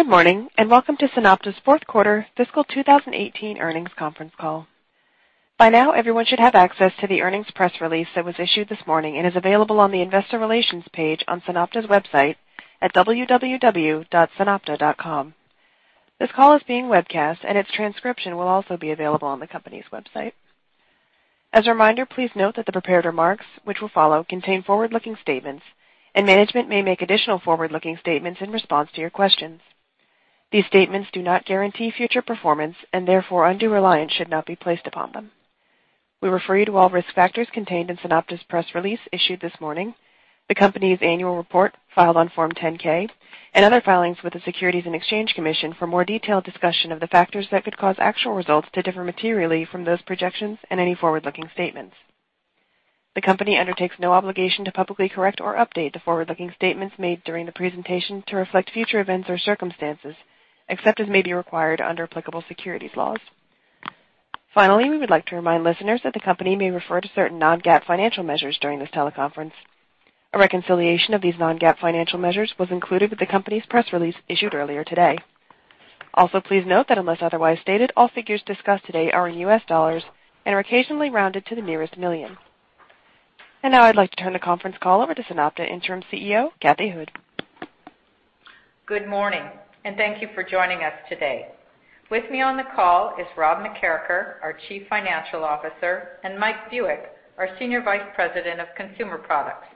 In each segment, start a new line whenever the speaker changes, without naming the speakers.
Good morning, welcome to SunOpta's fourth quarter fiscal 2018 earnings conference call. By now, everyone should have access to the earnings press release that was issued this morning and is available on the investor relations page on sunopta.com. This call is being webcast, and its transcription will also be available on the company's website. As a reminder, please note that the prepared remarks, which will follow, contain forward-looking statements, and management may make additional forward-looking statements in response to your questions. These statements do not guarantee future performance, and therefore undue reliance should not be placed upon them. We refer you to all risk factors contained in SunOpta's press release issued this morning, the company's annual report filed on Form 10-K, and other filings with the Securities and Exchange Commission for more detailed discussion of the factors that could cause actual results to differ materially from those projections and any forward-looking statements. The company undertakes no obligation to publicly correct or update the forward-looking statements made during the presentation to reflect future events or circumstances, except as may be required under applicable securities laws. Finally, we would like to remind listeners that the company may refer to certain non-GAAP financial measures during this teleconference. A reconciliation of these non-GAAP financial measures was included with the company's press release issued earlier today. Also, please note that unless otherwise stated, all figures discussed today are in US dollars and are occasionally rounded to the nearest million. Now I'd like to turn the conference call over to SunOpta Interim CEO, Kathy Houde.
Good morning, thank you for joining us today. With me on the call is Rob McKeracher, our Chief Financial Officer, and Mike Buick, our Senior Vice President of Consumer Products.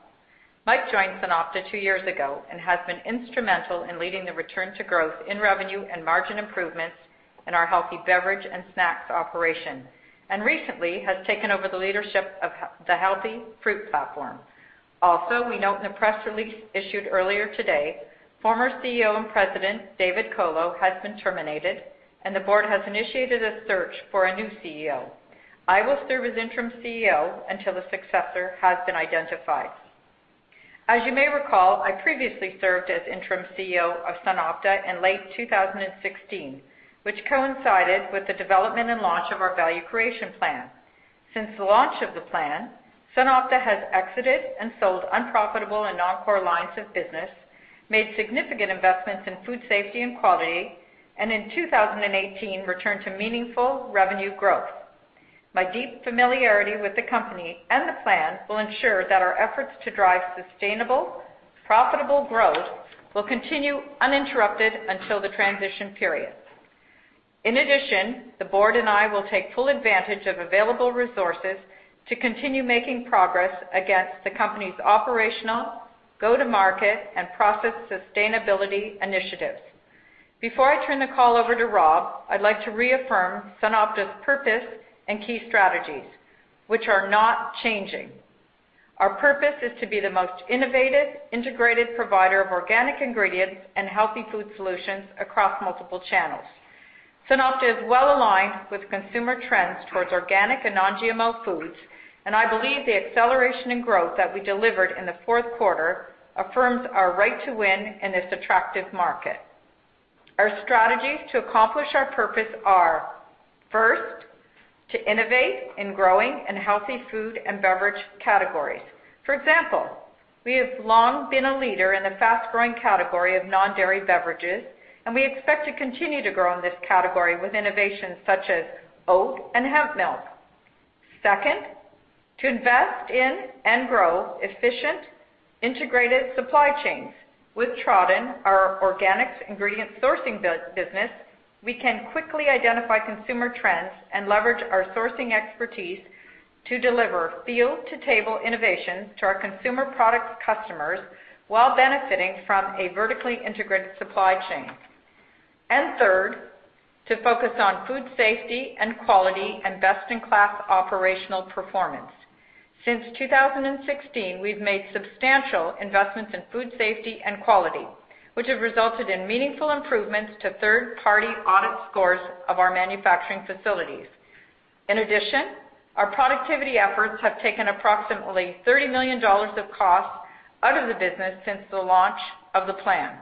Mike joined SunOpta two years ago and has been instrumental in leading the return to growth in revenue and margin improvements in our healthy beverage and snacks operation, and recently has taken over the leadership of the healthy fruit platform. Also, we note in the press release issued earlier today, former CEO and President, David Colo, has been terminated, and the board has initiated a search for a new CEO. I will serve as Interim CEO until the successor has been identified. As you may recall, I previously served as Interim CEO of SunOpta in late 2016, which coincided with the development and launch of our value creation plan. Since the launch of the plan, SunOpta has exited and sold unprofitable and non-core lines of business, made significant investments in food safety and quality, and in 2018, returned to meaningful revenue growth. My deep familiarity with the company and the plan will ensure that our efforts to drive sustainable, profitable growth will continue uninterrupted until the transition period. In addition, the board and I will take full advantage of available resources to continue making progress against the company's operational, go-to-market, and process sustainability initiatives. Before I turn the call over to Rob, I'd like to reaffirm SunOpta's purpose and key strategies, which are not changing. Our purpose is to be the most innovative, integrated provider of organic ingredients and healthy food solutions across multiple channels. SunOpta is well-aligned with consumer trends towards organic and non-GMO foods. I believe the acceleration in growth that we delivered in the fourth quarter affirms our right to win in this attractive market. Our strategies to accomplish our purpose are, first, to innovate in growing and healthy food and beverage categories. For example, we have long been a leader in the fast-growing category of non-dairy beverages, and we expect to continue to grow in this category with innovations such as oat and hemp milk. Second, to invest in and grow efficient, integrated supply chains. With Tradin Organic, our organics ingredient sourcing business, we can quickly identify consumer trends and leverage our sourcing expertise to deliver field-to-table innovations to our consumer products customers while benefiting from a vertically integrated supply chain. Third, to focus on food safety and quality and best-in-class operational performance. Since 2016, we've made substantial investments in food safety and quality, which have resulted in meaningful improvements to third-party audit scores of our manufacturing facilities. In addition, our productivity efforts have taken approximately $30 million of costs out of the business since the launch of the plan.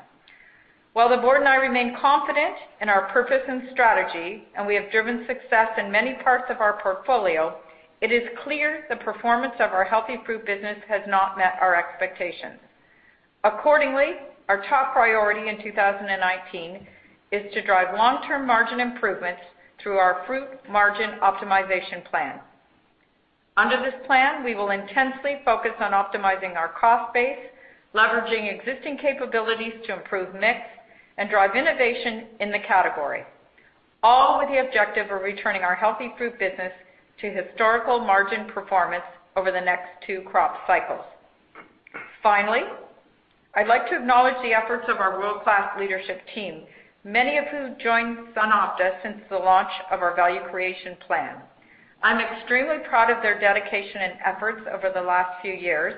While the board and I remain confident in our purpose and strategy, and we have driven success in many parts of our portfolio, it is clear the performance of our healthy fruit business has not met our expectations. Accordingly, our top priority in 2019 is to drive long-term margin improvements through our fruit margin optimization plan. Under this plan, we will intensely focus on optimizing our cost base, leveraging existing capabilities to improve mix, and drive innovation in the category, all with the objective of returning our healthy fruit business to historical margin performance over the next two crop cycles. Finally, I'd like to acknowledge the efforts of our world-class leadership team, many of whom joined SunOpta since the launch of our value creation plan. I'm extremely proud of their dedication and efforts over the last few years,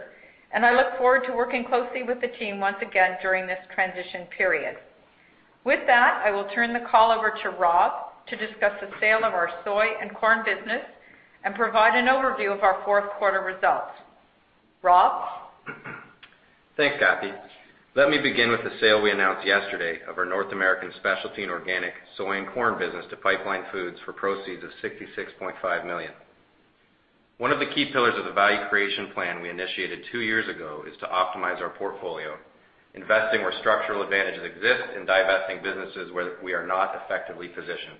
and I look forward to working closely with the team once again during this transition period. With that, I will turn the call over to Rob to discuss the sale of our soy and corn business and provide an overview of our fourth quarter results. Rob?
Thanks, Kathy. Let me begin with the sale we announced yesterday of our North American specialty and organic soy and corn business to Pipeline Foods for proceeds of $66.5 million. One of the key pillars of the value creation plan we initiated two years ago is to optimize our portfolio, investing where structural advantages exist and divesting businesses where we are not effectively positioned.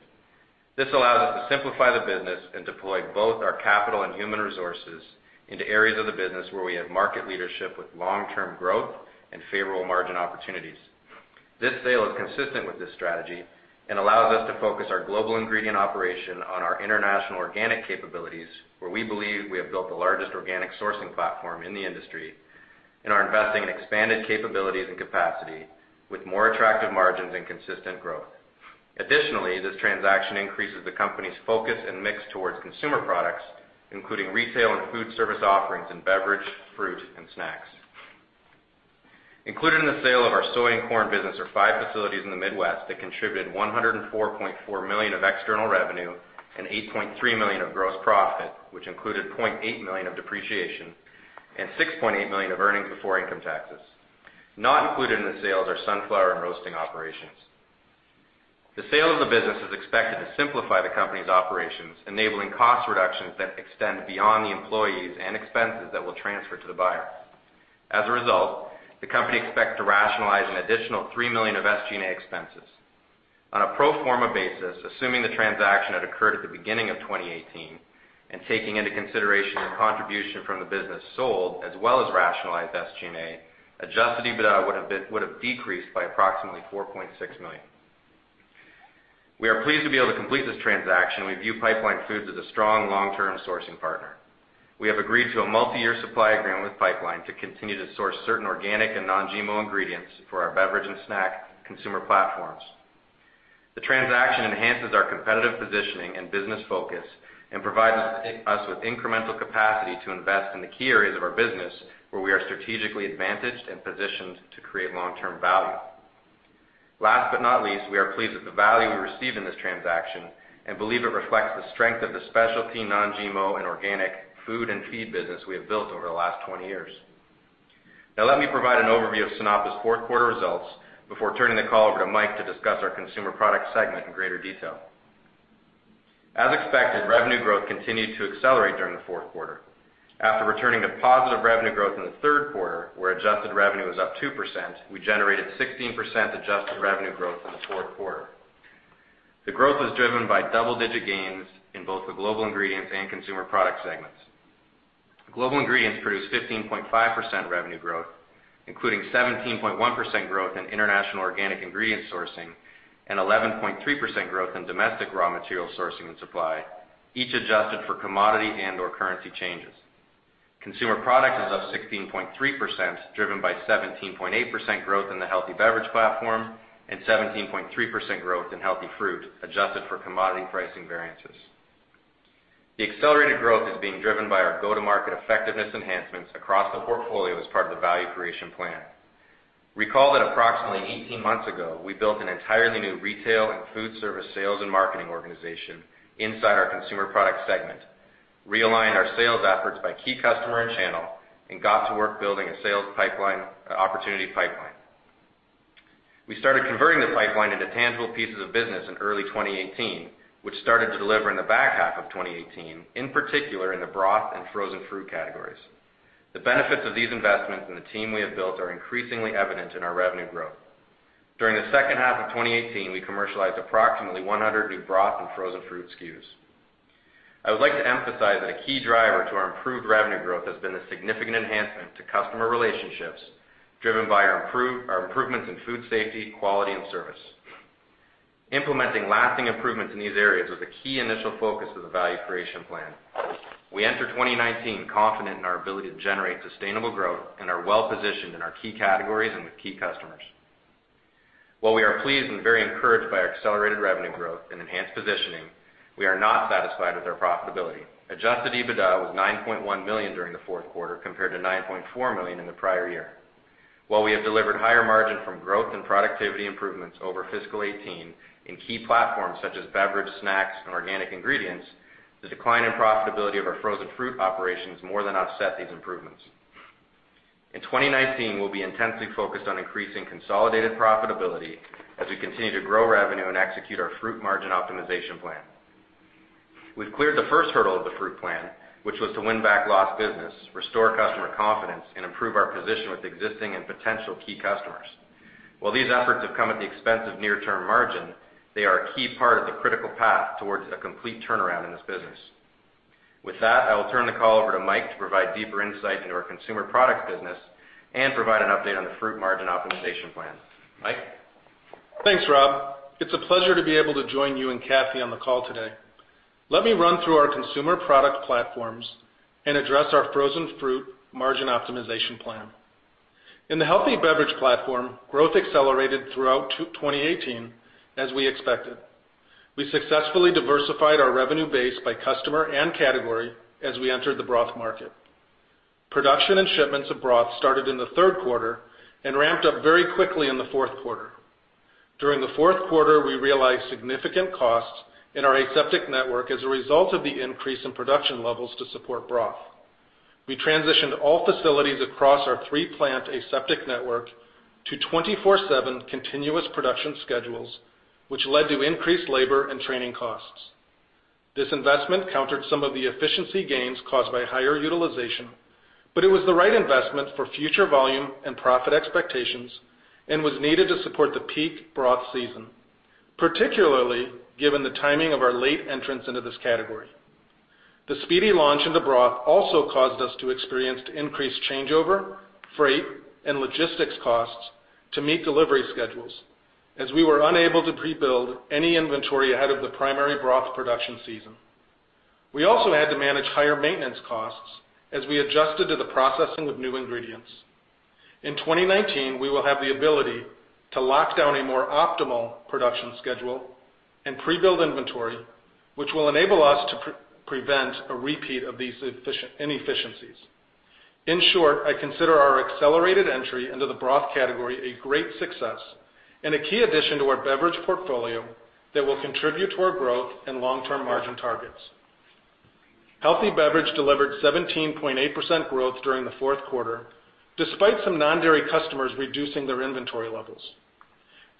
This allows us to simplify the business and deploy both our capital and human resources into areas of the business where we have market leadership with long-term growth and favorable margin opportunities. This sale is consistent with this strategy and allows us to focus our global ingredient operation on our international organic capabilities, where we believe we have built the largest organic sourcing platform in the industry and are investing in expanded capabilities and capacity with more attractive margins and consistent growth. Additionally, this transaction increases the company's focus and mix towards consumer products, including retail and food service offerings in beverage, fruit, and snacks. Included in the sale of our soy and corn business are five facilities in the Midwest that contributed $104.4 million of external revenue and $8.3 million of gross profit, which included $0.8 million of depreciation and $6.8 million of earnings before income taxes. Not included in the sale are sunflower and roasting operations. The sale of the business is expected to simplify the company's operations, enabling cost reductions that extend beyond the employees and expenses that will transfer to the buyer. As a result, the company expects to rationalize an additional $3 million of SG&A expenses. On a pro forma basis, assuming the transaction had occurred at the beginning of 2018, and taking into consideration the contribution from the business sold as well as rationalized SG&A, adjusted EBITDA would've decreased by approximately $4.6 million. We are pleased to be able to complete this transaction. We view Pipeline Foods as a strong long-term sourcing partner. We have agreed to a multi-year supply agreement with Pipeline to continue to source certain organic and non-GMO ingredients for our beverage and snack consumer platforms. The transaction enhances our competitive positioning and business focus and provides us with incremental capacity to invest in the key areas of our business where we are strategically advantaged and positioned to create long-term value. Last but not least, we are pleased with the value we received in this transaction and believe it reflects the strength of the specialty non-GMO and organic food and feed business we have built over the last 20 years. Now, let me provide an overview of SunOpta's fourth quarter results before turning the call over to Mike to discuss our consumer product segment in greater detail. As expected, revenue growth continued to accelerate during the fourth quarter. After returning to positive revenue growth in the third quarter, where adjusted revenue was up 2%, we generated 16% adjusted revenue growth in the fourth quarter. The growth was driven by double-digit gains in both the Global Ingredients and Consumer Products segments. Global Ingredients produced 15.5% revenue growth, including 17.1% growth in international organic ingredient sourcing and 11.3% growth in domestic raw material sourcing and supply, each adjusted for commodity and/or currency changes. Consumer Products is up 16.3%, driven by 17.8% growth in the healthy beverage platform and 17.3% growth in healthy fruit, adjusted for commodity pricing variances. The accelerated growth is being driven by our go-to-market effectiveness enhancements across the portfolio as part of the value creation plan. Recall that approximately 18 months ago, we built an entirely new retail and food service sales and marketing organization inside our Consumer Products segment, realigned our sales efforts by key customer and channel, and got to work building a sales opportunity pipeline. We started converting the pipeline into tangible pieces of business in early 2018, which started to deliver in the back half of 2018, in particular in the broth and frozen fruit categories. The benefits of these investments and the team we have built are increasingly evident in our revenue growth. During the second half of 2018, we commercialized approximately 100 new broth and frozen fruit SKUs. I would like to emphasize that a key driver to our improved revenue growth has been the significant enhancement to customer relationships, driven by our improvements in food safety, quality, and service. Implementing lasting improvements in these areas was a key initial focus of the value creation plan. We enter 2019 confident in our ability to generate sustainable growth and are well-positioned in our key categories and with key customers. While we are pleased and very encouraged by our accelerated revenue growth and enhanced positioning, we are not satisfied with our profitability. adjusted EBITDA was $9.1 million during the fourth quarter, compared to $9.4 million in the prior year. While we have delivered higher margin from growth and productivity improvements over fiscal 2018 in key platforms such as beverage, snacks, and organic ingredients, the decline in profitability of our frozen fruit operations more than offset these improvements. In 2019, we'll be intensely focused on increasing consolidated profitability as we continue to grow revenue and execute our fruit margin optimization plan. We've cleared the first hurdle of the fruit plan, which was to win back lost business, restore customer confidence, and improve our position with existing and potential key customers. While these efforts have come at the expense of near-term margin, they are a key part of the critical path towards a complete turnaround in this business. With that, I will turn the call over to Mike to provide deeper insight into our Consumer Products business and provide an update on the fruit margin optimization plan. Mike?
Thanks, Rob. It's a pleasure to be able to join you and Kathy on the call today. Let me run through our consumer product platforms and address our frozen fruit margin optimization plan. In the healthy beverage platform, growth accelerated throughout 2018, as we expected. We successfully diversified our revenue base by customer and category as we entered the broth market. Production and shipments of broth started in the third quarter and ramped up very quickly in the fourth quarter. During the fourth quarter, we realized significant costs in our aseptic network as a result of the increase in production levels to support broth. We transitioned all facilities across our three-plant aseptic network to 24/7 continuous production schedules, which led to increased labor and training costs. This investment countered some of the efficiency gains caused by higher utilization, but it was the right investment for future volume and profit expectations and was needed to support the peak broth season, particularly given the timing of our late entrance into this category. The speedy launch into broth also caused us to experience increased changeover, freight, and logistics costs to meet delivery schedules, as we were unable to pre-build any inventory ahead of the primary broth production season. We also had to manage higher maintenance costs as we adjusted to the processing of new ingredients. In 2019, we will have the ability to lock down a more optimal production schedule and pre-build inventory, which will enable us to prevent a repeat of these inefficiencies. In short, I consider our accelerated entry into the broth category a great success and a key addition to our beverage portfolio that will contribute to our growth and long-term margin targets. Healthy Beverage delivered 17.8% growth during the fourth quarter, despite some non-dairy customers reducing their inventory levels.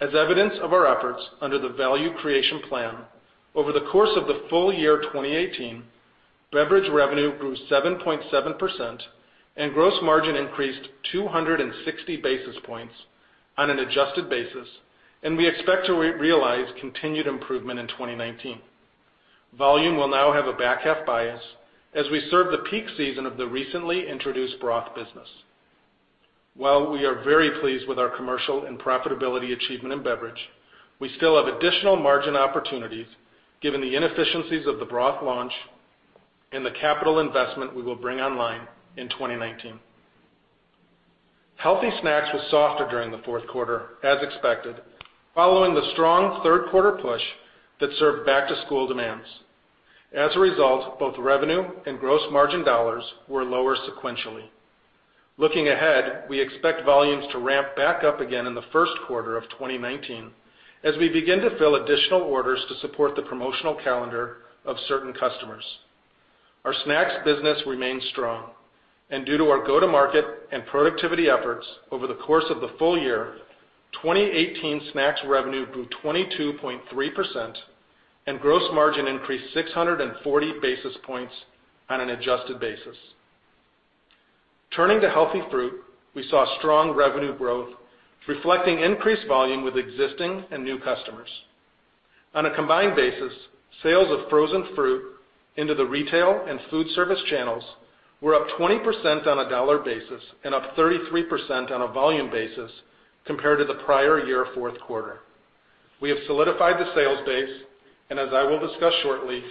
As evidence of our efforts under the Value Creation Plan, over the course of the full year 2018, beverage revenue grew 7.7% and gross margin increased 260 basis points on an adjusted basis, and we expect to realize continued improvement in 2019. Volume will now have a back-half bias as we serve the peak season of the recently introduced broth business. While we are very pleased with our commercial and profitability achievement in beverage, we still have additional margin opportunities given the inefficiencies of the broth launch and the capital investment we will bring online in 2019. Healthy Snacks was softer during the fourth quarter, as expected, following the strong third quarter push that served back-to-school demands. As a result, both revenue and gross margin dollars were lower sequentially. Looking ahead, we expect volumes to ramp back up again in the first quarter of 2019 as we begin to fill additional orders to support the promotional calendar of certain customers. Our snacks business remains strong, and due to our go-to-market and productivity efforts over the course of the full year, 2018 snacks revenue grew 22.3% and gross margin increased 640 basis points on an adjusted basis. Turning to healthy fruit, we saw strong revenue growth reflecting increased volume with existing and new customers. On a combined basis, sales of frozen fruit into the retail and food service channels were up 20% on a dollar basis and up 33% on a volume basis compared to the prior year fourth quarter. We have solidified the sales base, and as I will discuss shortly,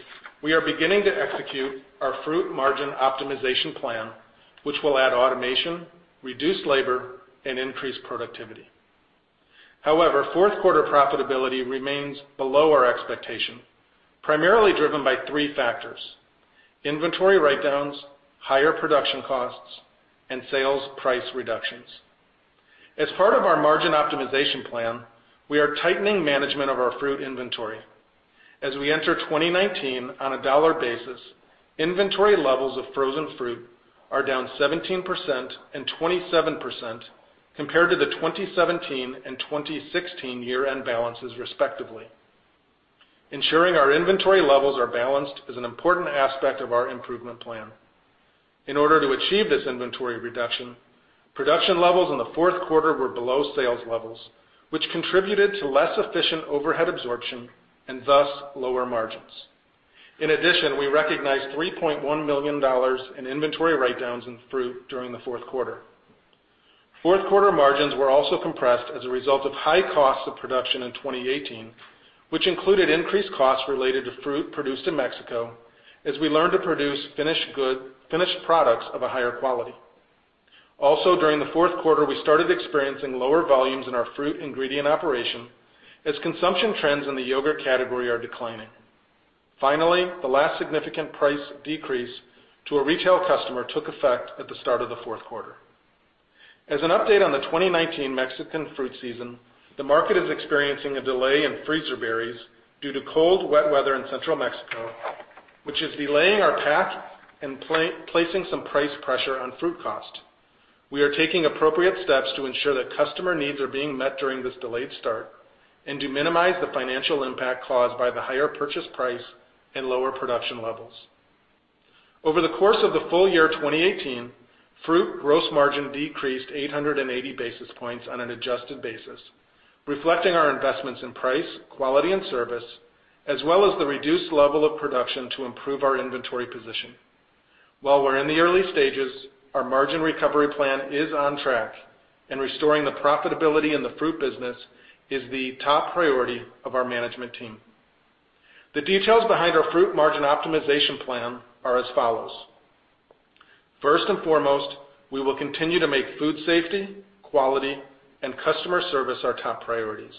we are beginning to execute our fruit margin optimization plan, which will add automation, reduce labor, and increase productivity. However, fourth quarter profitability remains below our expectation, primarily driven by three factors: inventory write-downs, higher production costs, and sales price reductions. As part of our margin optimization plan, we are tightening management of our fruit inventory. As we enter 2019, on a dollar basis, inventory levels of frozen fruit are down 17% and 27% compared to the 2017 and 2016 year-end balances, respectively. Ensuring our inventory levels are balanced is an important aspect of our improvement plan. In order to achieve this inventory reduction, production levels in the fourth quarter were below sales levels, which contributed to less efficient overhead absorption and thus lower margins. In addition, we recognized $3.1 million in inventory write-downs in fruit during the fourth quarter. Fourth quarter margins were also compressed as a result of high costs of production in 2018, which included increased costs related to fruit produced in Mexico as we learned to produce finished products of a higher quality. Also, during the fourth quarter, we started experiencing lower volumes in our fruit ingredient operation as consumption trends in the yogurt category are declining. Finally, the last significant price decrease to a retail customer took effect at the start of the fourth quarter. As an update on the 2019 Mexican fruit season, the market is experiencing a delay in freezer berries due to cold, wet weather in central Mexico, which is delaying our pack and placing some price pressure on fruit cost. We are taking appropriate steps to ensure that customer needs are being met during this delayed start and to minimize the financial impact caused by the higher purchase price and lower production levels. Over the course of the full year 2018, fruit gross margin decreased 880 basis points on an adjusted basis, reflecting our investments in price, quality, and service, as well as the reduced level of production to improve our inventory position. While we're in the early stages, our margin recovery plan is on track, and restoring the profitability in the fruit business is the top priority of our management team. The details behind our fruit margin optimization plan are as follows. First and foremost, we will continue to make food safety, quality, and customer service our top priorities.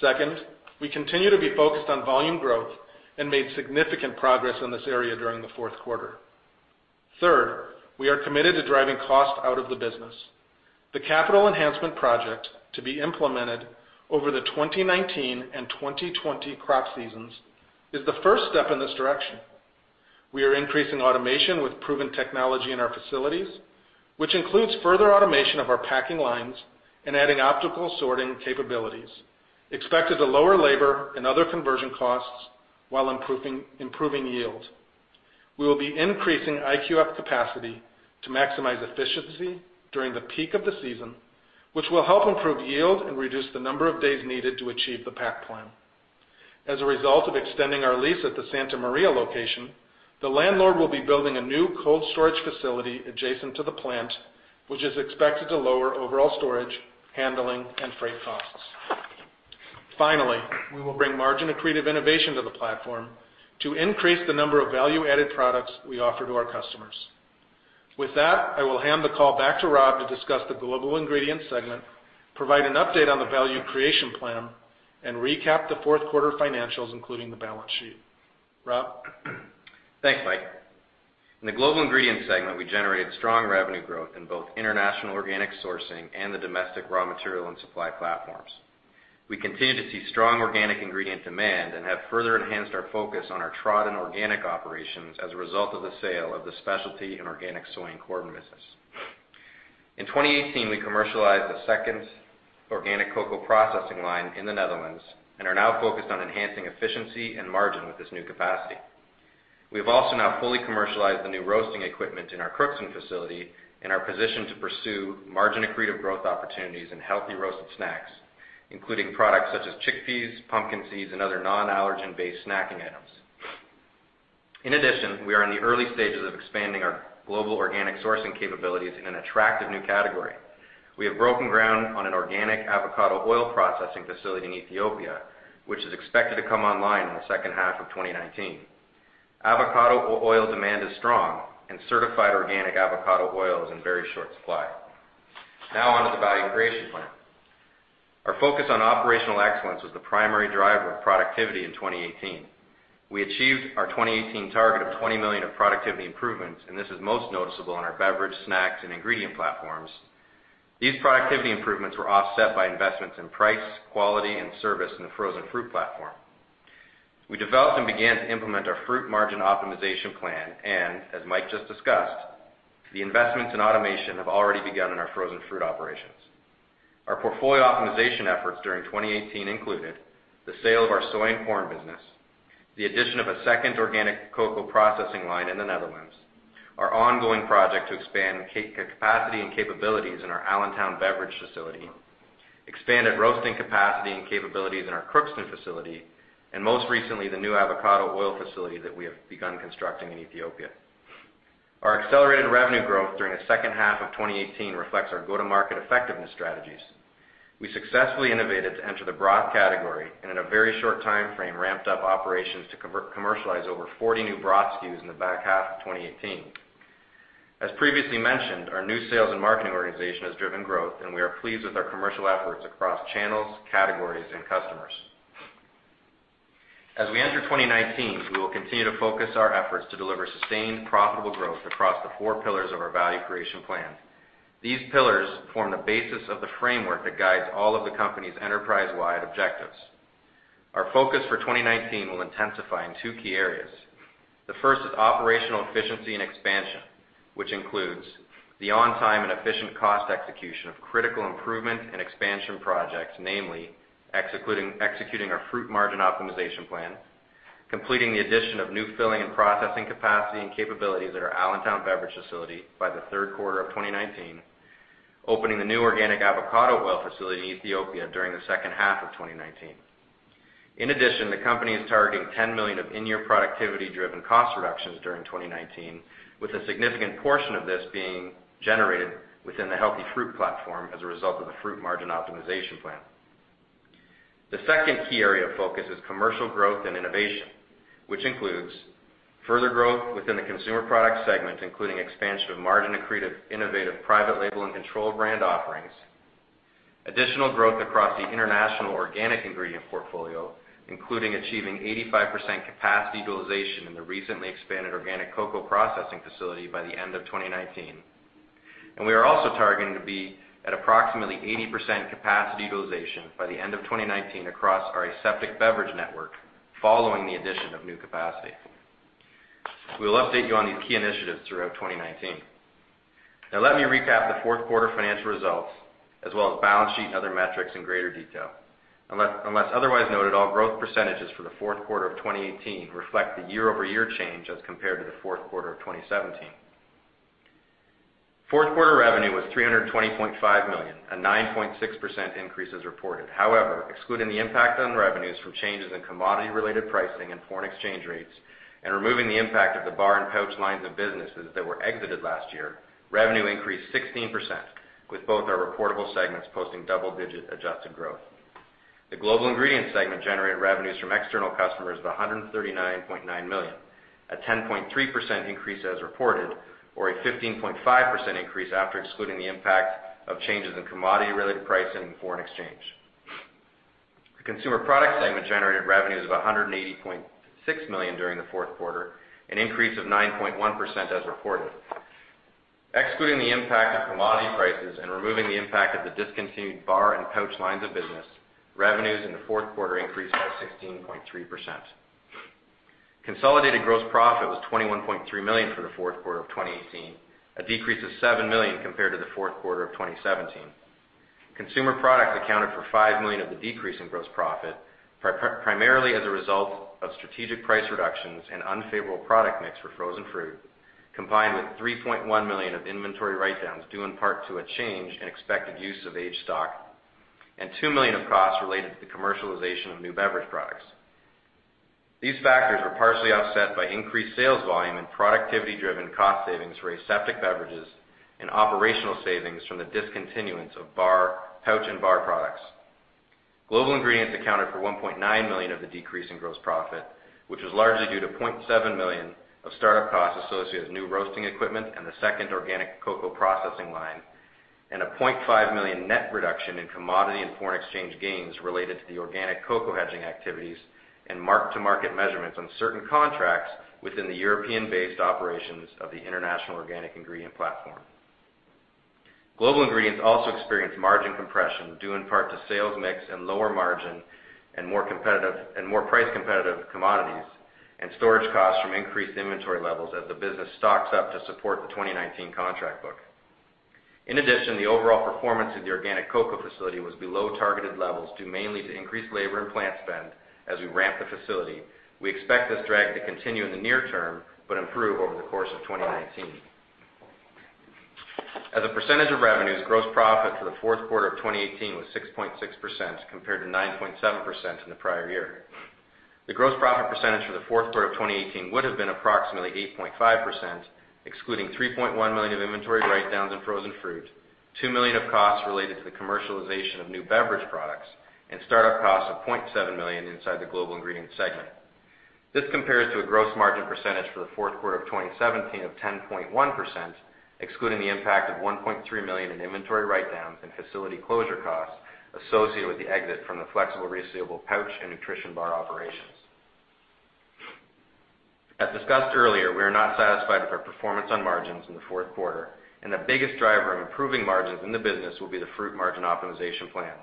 Second, we continue to be focused on volume growth and made significant progress in this area during the fourth quarter. Third, we are committed to driving cost out of the business. The capital enhancement project to be implemented over the 2019 and 2020 crop seasons is the first step in this direction. We are increasing automation with proven technology in our facilities, which includes further automation of our packing lines and adding optical sorting capabilities, expected to lower labor and other conversion costs while improving yield. We will be increasing IQF capacity to maximize efficiency during the peak of the season, which will help improve yield and reduce the number of days needed to achieve the pack plan. As a result of extending our lease at the Santa Maria location, the landlord will be building a new cold storage facility adjacent to the plant, which is expected to lower overall storage, handling, and freight costs. Finally, we will bring margin-accretive innovation to the platform to increase the number of value-added products we offer to our customers. With that, I will hand the call back to Rob to discuss the Global Ingredients segment, provide an update on the value creation plan, and recap the fourth quarter financials, including the balance sheet. Rob?
Thanks, Mike. In the Global Ingredients segment, we generated strong revenue growth in both international organic sourcing and the domestic raw material and supply platforms. We continue to see strong organic ingredient demand and have further enhanced our focus on our Tradin Organic operations as a result of the sale of the specialty and organic soy and corn business. In 2018, we commercialized the second organic cocoa processing line in the Netherlands and are now focused on enhancing efficiency and margin with this new capacity. We've also now fully commercialized the new roasting equipment in our Crookston facility and are positioned to pursue margin-accretive growth opportunities in healthy roasted snacks, including products such as chickpeas, pumpkin seeds, and other non-allergen based snacking items. In addition, we are in the early stages of expanding our global organic sourcing capabilities in an attractive new category. We have broken ground on an organic avocado oil processing facility in Ethiopia, which is expected to come online in the second half of 2019. Avocado oil demand is strong and certified organic avocado oil is in very short supply. Now on to the value creation plan. Our focus on operational excellence was the primary driver of productivity in 2018. We achieved our 2018 target of $20 million of productivity improvements, this is most noticeable in our beverage, snacks, and ingredient platforms. These productivity improvements were offset by investments in price, quality, and service in the frozen fruit platform. We developed and began to implement our fruit margin optimization plan, as Mike just discussed, the investments in automation have already begun in our frozen fruit operations. Our portfolio optimization efforts during 2018 included the sale of our soy and corn business, the addition of a second organic cocoa processing line in the Netherlands, our ongoing project to expand capacity and capabilities in our Allentown beverage facility, expanded roasting capacity and capabilities in our Crookston facility, and most recently, the new avocado oil facility that we have begun constructing in Ethiopia. Our accelerated revenue growth during the second half of 2018 reflects our go-to-market effectiveness strategies. We successfully innovated to enter the broth category in a very short timeframe, ramped up operations to commercialize over 40 new broth SKUs in the back half of 2018. As previously mentioned, our new sales and marketing organization has driven growth, we are pleased with our commercial efforts across channels, categories, and customers. As we enter 2019, we will continue to focus our efforts to deliver sustained, profitable growth across the four pillars of our value creation plan. These pillars form the basis of the framework that guides all of the company's enterprise-wide objectives. Our focus for 2019 will intensify in two key areas. The first is operational efficiency and expansion, which includes the on-time and efficient cost execution of critical improvement and expansion projects, namely executing our fruit margin optimization plan, completing the addition of new filling and processing capacity and capabilities at our Allentown beverage facility by the third quarter of 2019, opening the new organic avocado oil facility in Ethiopia during the second half of 2019. In addition, the company is targeting $10 million of in-year productivity driven cost reductions during 2019, with a significant portion of this being generated within the healthy fruit platform as a result of the fruit margin optimization plan. The second key area of focus is commercial growth and innovation, which includes further growth within the consumer product segment, including expansion of margin-accretive innovative private label and control brand offerings, additional growth across the international organic ingredient portfolio, including achieving 85% capacity utilization in the recently expanded organic cocoa processing facility by the end of 2019. We are also targeting to be at approximately 80% capacity utilization by the end of 2019 across our aseptic beverage network following the addition of new capacity. We will update you on these key initiatives throughout 2019. Now let me recap the fourth quarter financial results as well as balance sheet and other metrics in greater detail. Unless otherwise noted, all growth percentages for the fourth quarter of 2018 reflect the year-over-year change as compared to the fourth quarter of 2017. Fourth quarter revenue was $320.5 million, a 9.6% increase as reported. However, excluding the impact on revenues from changes in commodity related pricing and foreign exchange rates and removing the impact of the bar and pouch lines of businesses that were exited last year, revenue increased 16%, with both our reportable segments posting double-digit adjusted growth. The Global Ingredients segment generated revenues from external customers of $139.9 million, a 10.3% increase as reported, or a 15.5% increase after excluding the impact of changes in commodity related pricing and foreign exchange. The consumer products segment generated revenues of $180.6 million during the fourth quarter, an increase of 9.1% as reported. Excluding the impact of commodity prices and removing the impact of the discontinued bar and pouch lines of business, revenues in the fourth quarter increased by 16.3%. Consolidated gross profit was $21.3 million for the fourth quarter of 2018, a decrease of $7 million compared to the fourth quarter of 2017. Consumer products accounted for $5 million of the decrease in gross profit, primarily as a result of strategic price reductions and unfavorable product mix for frozen fruit, combined with $3.1 million of inventory write-downs due in part to a change in expected use of aged stock, and $2 million of costs related to the commercialization of new beverage products. These factors were partially offset by increased sales volume and productivity-driven cost savings for aseptic beverages and operational savings from the discontinuance of pouch and bar products. Global Ingredients accounted for $1.9 million of the decrease in gross profit, which was largely due to $0.7 million of startup costs associated with new roasting equipment and the second organic cocoa processing line, and a $0.5 million net reduction in commodity and foreign exchange gains related to the organic cocoa hedging activities and mark-to-market measurements on certain contracts within the European-based operations of the international organic ingredient platform. Global Ingredients also experienced margin compression due in part to sales mix and lower margin and more price-competitive commodities, and storage costs from increased inventory levels as the business stocks up to support the 2019 contract book. In addition, the overall performance of the organic cocoa facility was below targeted levels, due mainly to increased labor and plant spend as we ramp the facility. We expect this drag to continue in the near term, but improve over the course of 2019. As a percentage of revenues, gross profit for the fourth quarter of 2018 was 6.6% compared to 9.7% in the prior year. The gross profit percentage for the fourth quarter of 2018 would have been approximately 8.5%, excluding $3.1 million of inventory write-downs in frozen fruit, $2 million of costs related to the commercialization of new beverage products, and startup costs of $0.7 million inside the Global Ingredients segment. This compares to a gross margin percentage for the fourth quarter of 2017 of 10.1%, excluding the impact of $1.3 million in inventory write-downs and facility closure costs associated with the exit from the flexible resealable pouch and nutrition bar operations. As discussed earlier, we are not satisfied with our performance on margins in the fourth quarter. The biggest driver in improving margins in the business will be the fruit margin optimization plan.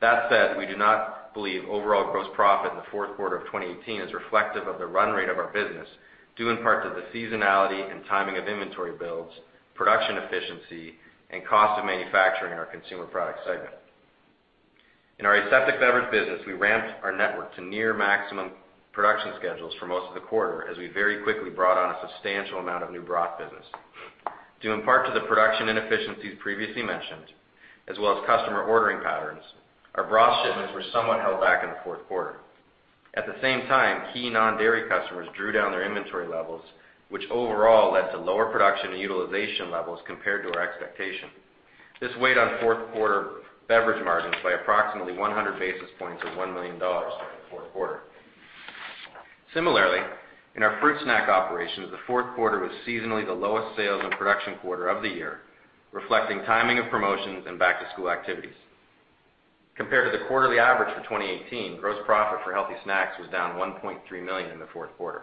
That said, we do not believe overall gross profit in the fourth quarter of 2018 is reflective of the run rate of our business, due in part to the seasonality and timing of inventory builds, production efficiency, and cost of manufacturing in our consumer products segment. In our aseptic beverage business, we ramped our network to near maximum production schedules for most of the quarter as we very quickly brought on a substantial amount of new broth business. Due in part to the production inefficiencies previously mentioned, as well as customer ordering patterns, our broth shipments were somewhat held back in the fourth quarter. At the same time, key non-dairy customers drew down their inventory levels, which overall led to lower production utilization levels compared to our expectation. This weighed on fourth quarter beverage margins by approximately 100 basis points or $1 million during the fourth quarter. Similarly, in our fruit snack operations, the fourth quarter was seasonally the lowest sales and production quarter of the year, reflecting timing of promotions and back-to-school activities. Compared to the quarterly average for 2018, gross profit for healthy snacks was down $1.3 million in the fourth quarter.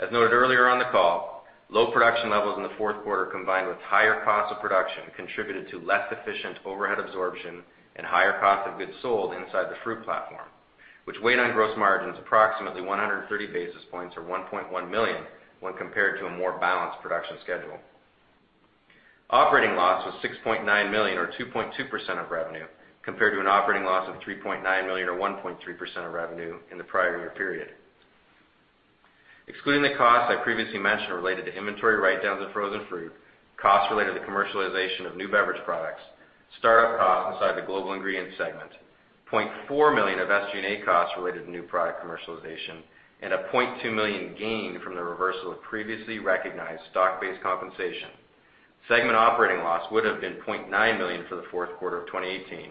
As noted earlier on the call, low production levels in the fourth quarter, combined with higher costs of production, contributed to less efficient overhead absorption and higher cost of goods sold inside the fruit platform, which weighed on gross margins approximately 130 basis points or $1.1 million when compared to a more balanced production schedule. Operating loss was $6.9 million or 2.2% of revenue, compared to an operating loss of $3.9 million or 1.3% of revenue in the prior year period. Excluding the costs I previously mentioned related to inventory write-downs of frozen fruit, costs related to commercialization of new beverage products, startup costs inside the Global Ingredients segment, $0.4 million of SG&A costs related to new product commercialization, and a $0.2 million gained from the reversal of previously recognized stock-based compensation, segment operating loss would have been $0.9 million for the fourth quarter of 2018,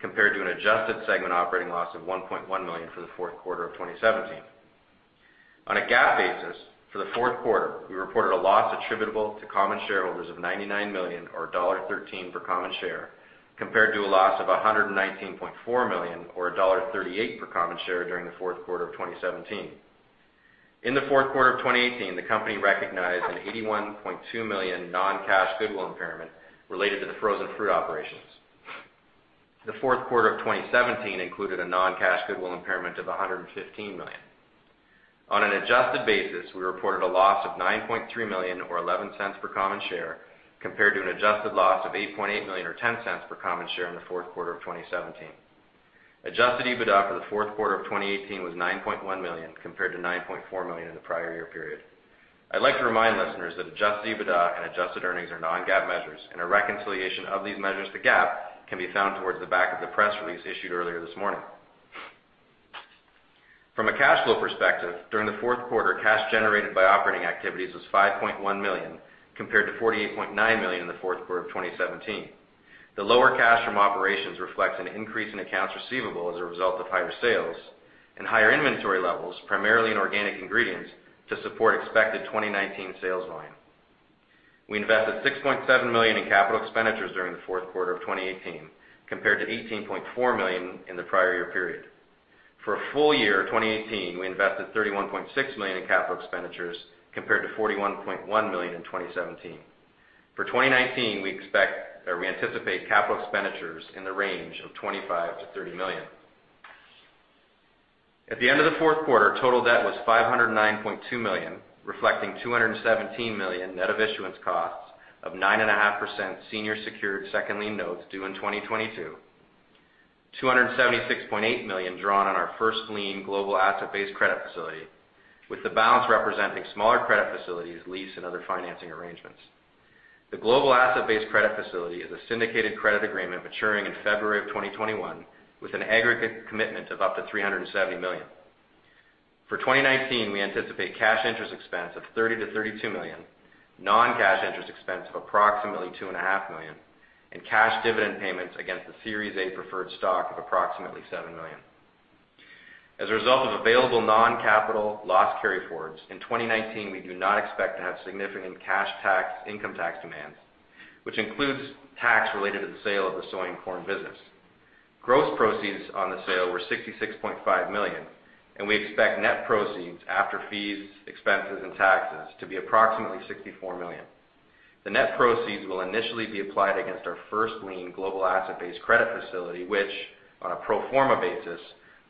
compared to an adjusted segment operating loss of $1.1 million for the fourth quarter of 2017. On a GAAP basis, for the fourth quarter, we reported a loss attributable to common shareholders of $99 million, or $1.13 per common share, compared to a loss of $119.4 million or $1.38 per common share during the fourth quarter of 2017. In the fourth quarter of 2018, the company recognized an $81.2 million non-cash goodwill impairment related to the frozen fruit operations. The fourth quarter of 2017 included a non-cash goodwill impairment of $115 million. On an adjusted basis, we reported a loss of $9.3 million or $0.11 per common share, compared to an adjusted loss of $8.8 million or $0.10 per common share in the fourth quarter of 2017. Adjusted EBITDA for the fourth quarter of 2018 was $9.1 million, compared to $9.4 million in the prior year period. I'd like to remind listeners that adjusted EBITDA and adjusted earnings are non-GAAP measures, and a reconciliation of these measures to GAAP can be found towards the back of the press release issued earlier this morning. From a cash flow perspective, during the fourth quarter, cash generated by operating activities was $5.1 million, compared to $48.9 million in the fourth quarter of 2017. The lower cash from operations reflects an increase in accounts receivable as a result of higher sales and higher inventory levels, primarily in organic ingredients, to support expected 2019 sales volume. We invested $6.7 million in capital expenditures during the fourth quarter of 2018, compared to $18.4 million in the prior year period. For full year 2018, we invested $31.6 million in capital expenditures, compared to $41.1 million in 2017. For 2019, we anticipate capital expenditures in the range of $25 million-$30 million. At the end of the fourth quarter, total debt was $509.2 million, reflecting $217 million net of issuance costs of 9.5% senior secured second lien notes due in 2022, $276.8 million drawn on our first lien global asset-based credit facility, with the balance representing smaller credit facilities, lease, and other financing arrangements. The global asset-based credit facility is a syndicated credit agreement maturing in February of 2021 with an aggregate commitment of up to $370 million. For 2019, we anticipate cash interest expense of $30 million-$32 million, non-cash interest expense of approximately $2.5 million, and cash dividend payments against the Series A preferred stock of approximately $7 million. As a result of available non-capital loss carryforwards, in 2019, we do not expect to have significant cash income tax demands, which includes tax related to the sale of the soy and corn business. Gross proceeds on the sale were $66.5 million, and we expect net proceeds after fees, expenses, and taxes to be approximately $64 million. The net proceeds will initially be applied against our first lien global asset-based credit facility, which on a pro forma basis,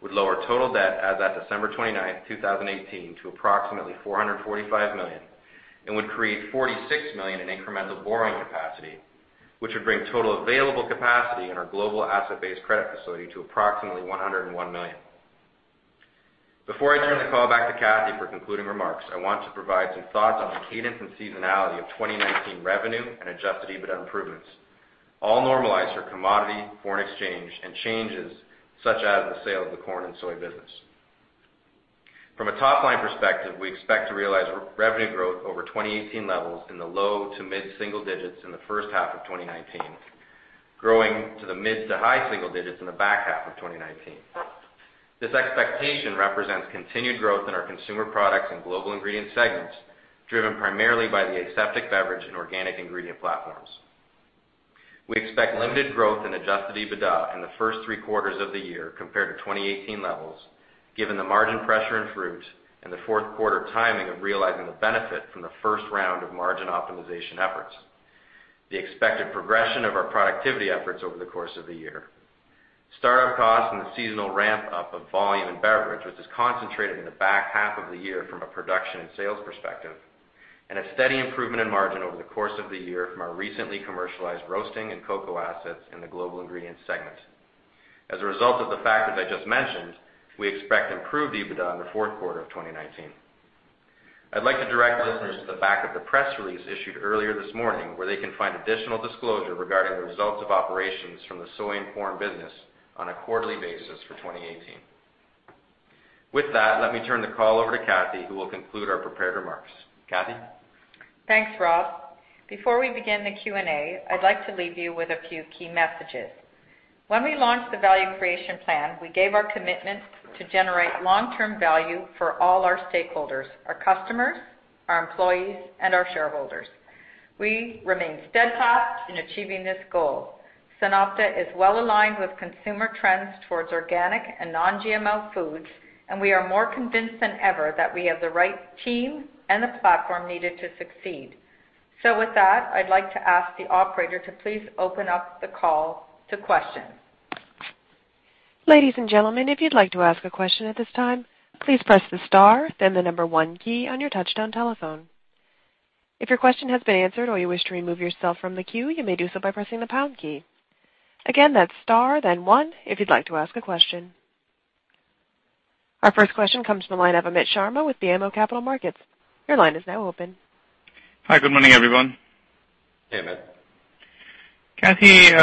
would lower total debt as at December 29th, 2018 to approximately $445 million and would create $46 million in incremental borrowing capacity, which would bring total available capacity in our global asset-based credit facility to approximately $101 million. Before I turn the call back to Kathy for concluding remarks, I want to provide some thoughts on the cadence and seasonality of 2019 revenue and adjusted EBITDA improvements, all normalized for commodity, foreign exchange, and changes such as the sale of the corn and soy business. From a top-line perspective, we expect to realize revenue growth over 2018 levels in the low to mid-single digits in the first half of 2019, growing to the mid to high single digits in the back half of 2019. This expectation represents continued growth in our consumer products and Global Ingredients segments, driven primarily by the aseptic beverage and organic ingredient platforms. We expect limited growth in adjusted EBITDA in the first three quarters of the year compared to 2018 levels, given the margin pressure in fruit and the fourth quarter timing of realizing the benefit from the first round of margin optimization efforts, the expected progression of our productivity efforts over the course of the year, startup costs, and the seasonal ramp-up of volume and beverage, which is concentrated in the back half of the year from a production and sales perspective, and a steady improvement in margin over the course of the year from our recently commercialized roasting and cocoa assets in the Global Ingredients segment. As a result of the factors I just mentioned, we expect improved EBITDA in the fourth quarter of 2019. I'd like to direct listeners to the back of the press release issued earlier this morning, where they can find additional disclosure regarding the results of operations from the soy and corn business on a quarterly basis for 2018. With that, let me turn the call over to Kathy, who will conclude our prepared remarks. Kathy?
Thanks, Rob. Before we begin the Q&A, I'd like to leave you with a few key messages. When we launched the Value Creation Plan, we gave our commitment to generate long-term value for all our stakeholders, our customers, our employees, and our shareholders. We remain steadfast in achieving this goal. SunOpta is well-aligned with consumer trends towards organic and non-GMO foods, and we are more convinced than ever that we have the right team and the platform needed to succeed. With that, I'd like to ask the operator to please open up the call to questions.
Ladies and gentlemen, if you'd like to ask a question at this time, please press the star then the number one key on your touch-tone telephone. If your question has been answered or you wish to remove yourself from the queue, you may do so by pressing the pound key. Again, that's star then one if you'd like to ask a question. Our first question comes from the line of Amit Sharma with BMO Capital Markets. Your line is now open.
Hi, good morning, everyone.
Hey, Amit.
Kathy,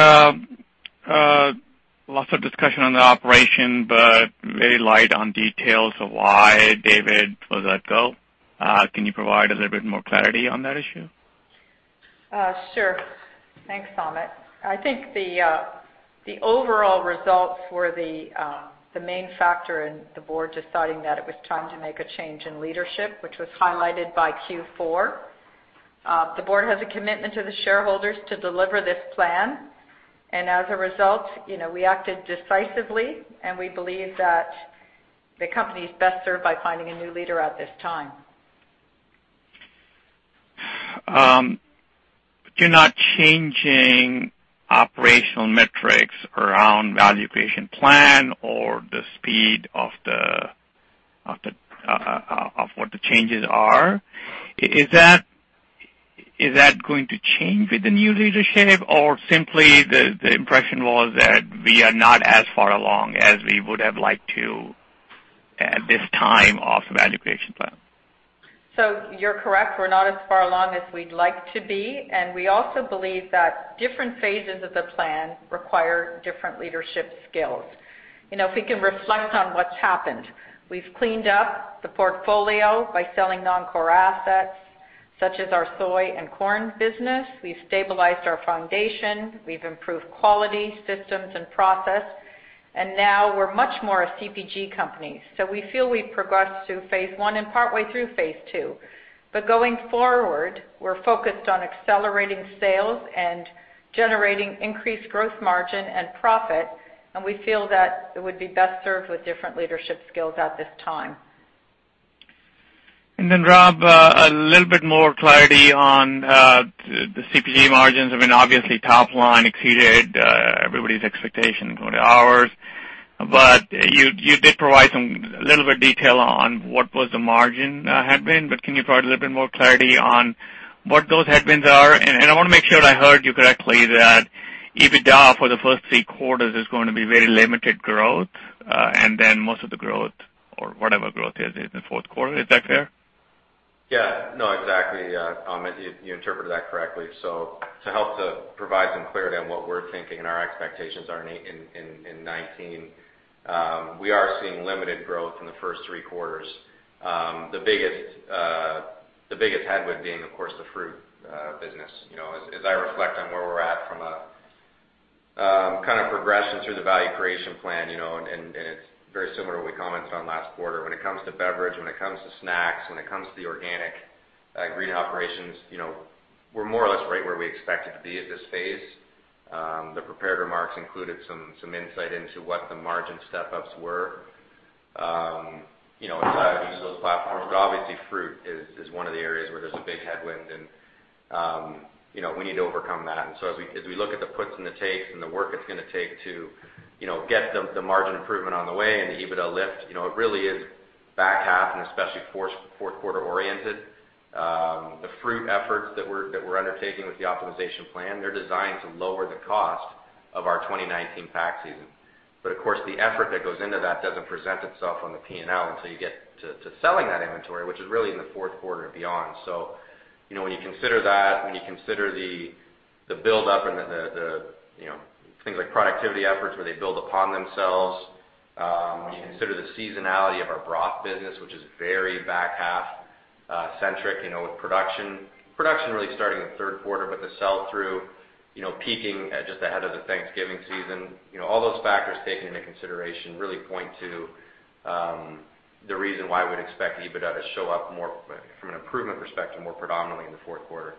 lots of discussion on the operation, but very light on details of why David was let go. Can you provide a little bit more clarity on that issue?
Sure. Thanks, Amit. I think the overall results were the main factor in the board deciding that it was time to make a change in leadership, which was highlighted by Q4. The board has a commitment to the shareholders to deliver this plan. As a result, we acted decisively, and we believe that the company is best served by finding a new leader at this time.
You're not changing operational metrics around Value Creation Plan or the speed of what the changes are. Is that going to change with the new leadership? Simply, the impression was that we are not as far along as we would have liked to at this time of Value Creation Plan?
You're correct, we're not as far along as we'd like to be, and we also believe that different phases of the plan require different leadership skills. If we can reflect on what's happened. We've cleaned up the portfolio by selling non-core assets such as our soy and corn business. We've stabilized our foundation, we've improved quality, systems, and process, and now we're much more a CPG company. We feel we've progressed through phase 1 and partway through phase 2. Going forward, we're focused on accelerating sales and generating increased growth margin and profit, and we feel that it would be best served with different leadership skills at this time.
Rob, a little bit more clarity on the CPG margins. Obviously, top line exceeded everybody's expectations, including ours. You did provide a little bit of detail on what was the margin headwind. Can you provide a little bit more clarity on what those headwinds are? I want to make sure that I heard you correctly, that EBITDA for the first three quarters is going to be very limited growth, and then most of the growth or whatever growth is in the fourth quarter. Is that fair?
Exactly, Amit, you interpreted that correctly. To help to provide some clarity on what we're thinking and our expectations are in 2019, we are seeing limited growth in the first three quarters. The biggest headwind being, of course, the fruit business. I reflect on where we're at from a progression through the value creation plan, and it's very similar to what we commented on last quarter. When it comes to beverage, when it comes to snacks, when it comes to the organic ingredient operations, we're more or less right where we expected to be at this phase. The prepared remarks included some insight into what the margin step-ups were inside of each of those platforms. Obviously, fruit is one of the areas where there's a big headwind, and we need to overcome that. As we look at the puts and the takes and the work it's going to take to get the margin improvement on the way and the EBITDA lift, it really is back half and especially fourth-quarter oriented. The fruit efforts that we're undertaking with the optimization plan, they're designed to lower the cost of our 2019 pack season. Of course, the effort that goes into that doesn't present itself on the P&L until you get to selling that inventory, which is really in the fourth quarter and beyond. When you consider that, when you consider the buildup and the things like productivity efforts where they build upon themselves, when you consider the seasonality of our broth business, which is very back-half centric with production really starting in the third quarter, but the sell-through peaking just ahead of the Thanksgiving season. All those factors taken into consideration really point to the reason why we'd expect EBITDA to show up more from an improvement perspective, more predominantly in the fourth quarter.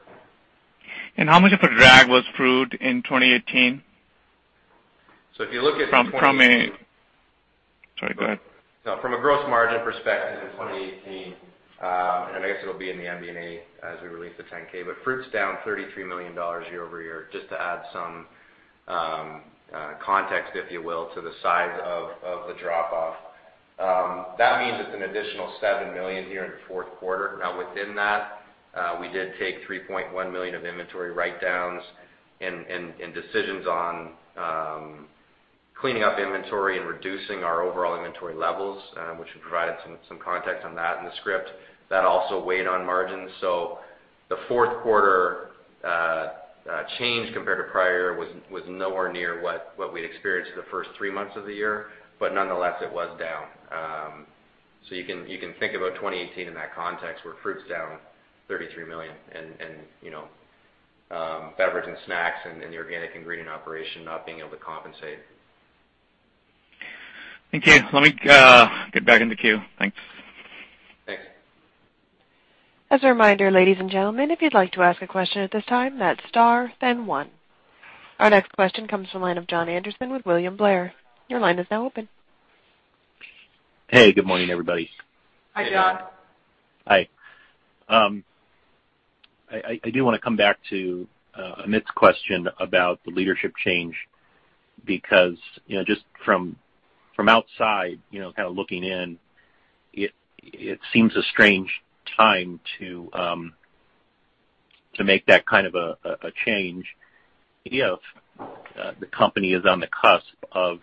How much of a drag was fruit in 2018?
If you look at 2018
From a. Sorry, go ahead.
No. From a gross margin perspective in 2018, I guess it'll be in the MD&A as we release the 10-K, Fruit's down $33 million year-over-year, just to add some context, if you will, to the size of the drop-off. That means it's an additional $7 million here in the fourth quarter. Within that, we did take $3.1 million of inventory write-downs and decisions on cleaning up inventory and reducing our overall inventory levels, which we provided some context on that in the script. That also weighed on margins. The fourth quarter change compared to prior year was nowhere near what we'd experienced the first three months of the year. Nonetheless, it was down. You can think about 2018 in that context, where fruit's down $33 million and beverage and snacks and the organic ingredient operation not being able to compensate.
Thank you. Let me get back in the queue. Thanks.
Thanks.
As a reminder, ladies and gentlemen, if you'd like to ask a question at this time, that's star then one. Our next question comes from the line of Jon Andersen with William Blair. Your line is now open.
Hey, good morning, everybody.
Hi, Jon.
Hi. I do want to come back to Amit's question about the leadership change because, just from outside, kind of looking in, it seems a strange time to make that kind of a change. The company is on the cusp of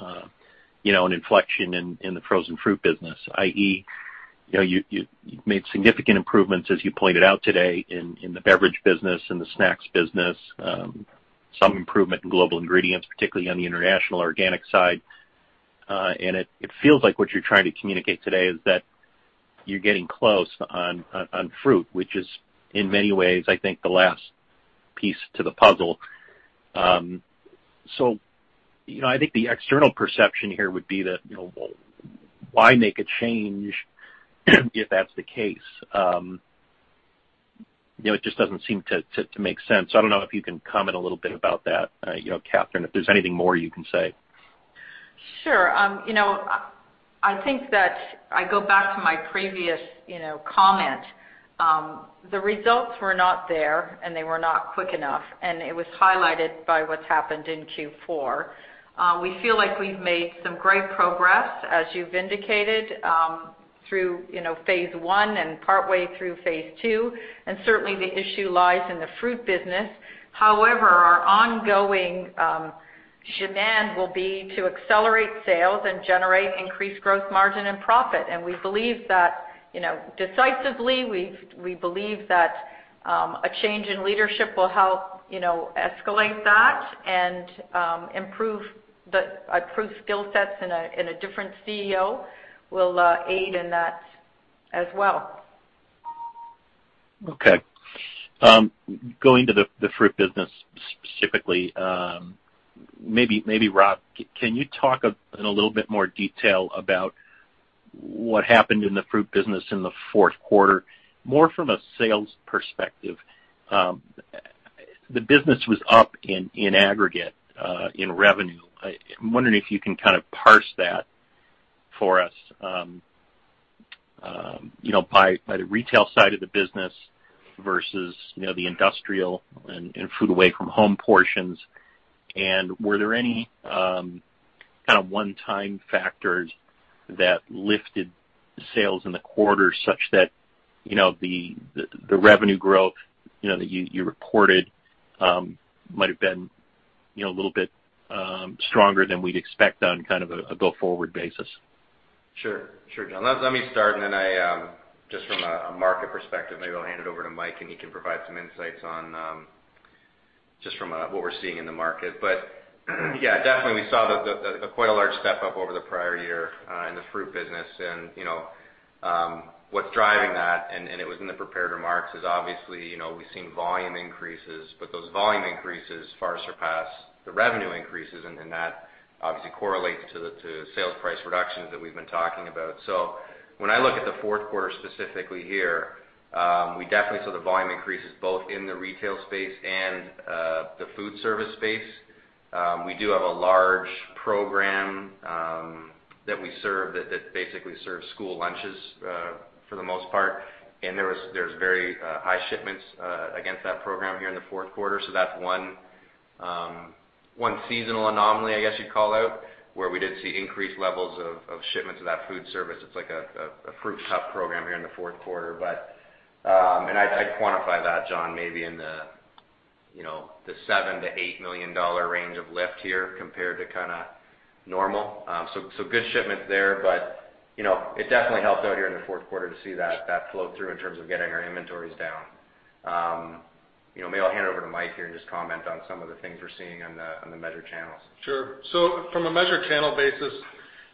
an inflection in the frozen fruit business, i.e., you've made significant improvements, as you pointed out today, in the beverage business and the snacks business, some improvement in Global Ingredients, particularly on the international organic side. It feels like what you're trying to communicate today is that you're getting close on fruit, which is in many ways, I think, the last piece to the puzzle. I think the external perception here would be that, why make a change if that's the case? It just doesn't seem to make sense. I don't know if you can comment a little bit about that, Kathy, if there's anything more you can say.
Sure. I think that I go back to my previous comment. The results were not there, and they were not quick enough, and it was highlighted by what's happened in Q4. We feel like we've made some great progress, as you've indicated, through phase one and partway through phase two, and certainly the issue lies in the fruit business. However, our ongoing demand will be to accelerate sales and generate increased growth margin and profit. Decisively, we believe that a change in leadership will help escalate that and improve skill sets, and a different CEO will aid in that as well.
Okay. Going to the fruit business specifically, maybe Rob, can you talk in a little bit more detail about what happened in the fruit business in the fourth quarter, more from a sales perspective? The business was up in aggregate, in revenue. I'm wondering if you can kind of parse that for us, by the retail side of the business versus the industrial and food away from home portions. Were there any kind of one-time factors that lifted sales in the quarter such that, the revenue growth that you reported might have been a little bit stronger than we'd expect on kind of a go-forward basis?
Sure, Jon. Let me start, then from a market perspective, maybe I'll hand it over to Mike and he can provide some insights on from what we're seeing in the market. Yeah, definitely we saw quite a large step up over the prior year, in the fruit business and what's driving that, and it was in the prepared remarks, is obviously, we've seen volume increases, but those volume increases far surpass the revenue increases, that obviously correlates to sales price reductions that we've been talking about. When I look at the fourth quarter specifically here, we definitely saw the volume increases both in the retail space and the food service space. We do have a large program, that we serve that basically serves school lunches, for the most part. There's very high shipments against that program here in the fourth quarter. That's one seasonal anomaly, I guess you'd call out, where we did see increased levels of shipments of that food service. It's like a fruit cup program here in the fourth quarter. I'd quantify that, Jon, maybe in the $7 million-$8 million range of lift here compared to kind of normal. Good shipments there, it definitely helped out here in the fourth quarter to see that flow through in terms of getting our inventories down. Maybe I'll hand it over to Mike here to comment on some of the things we're seeing on the measured channels.
Sure. From a measured channel basis,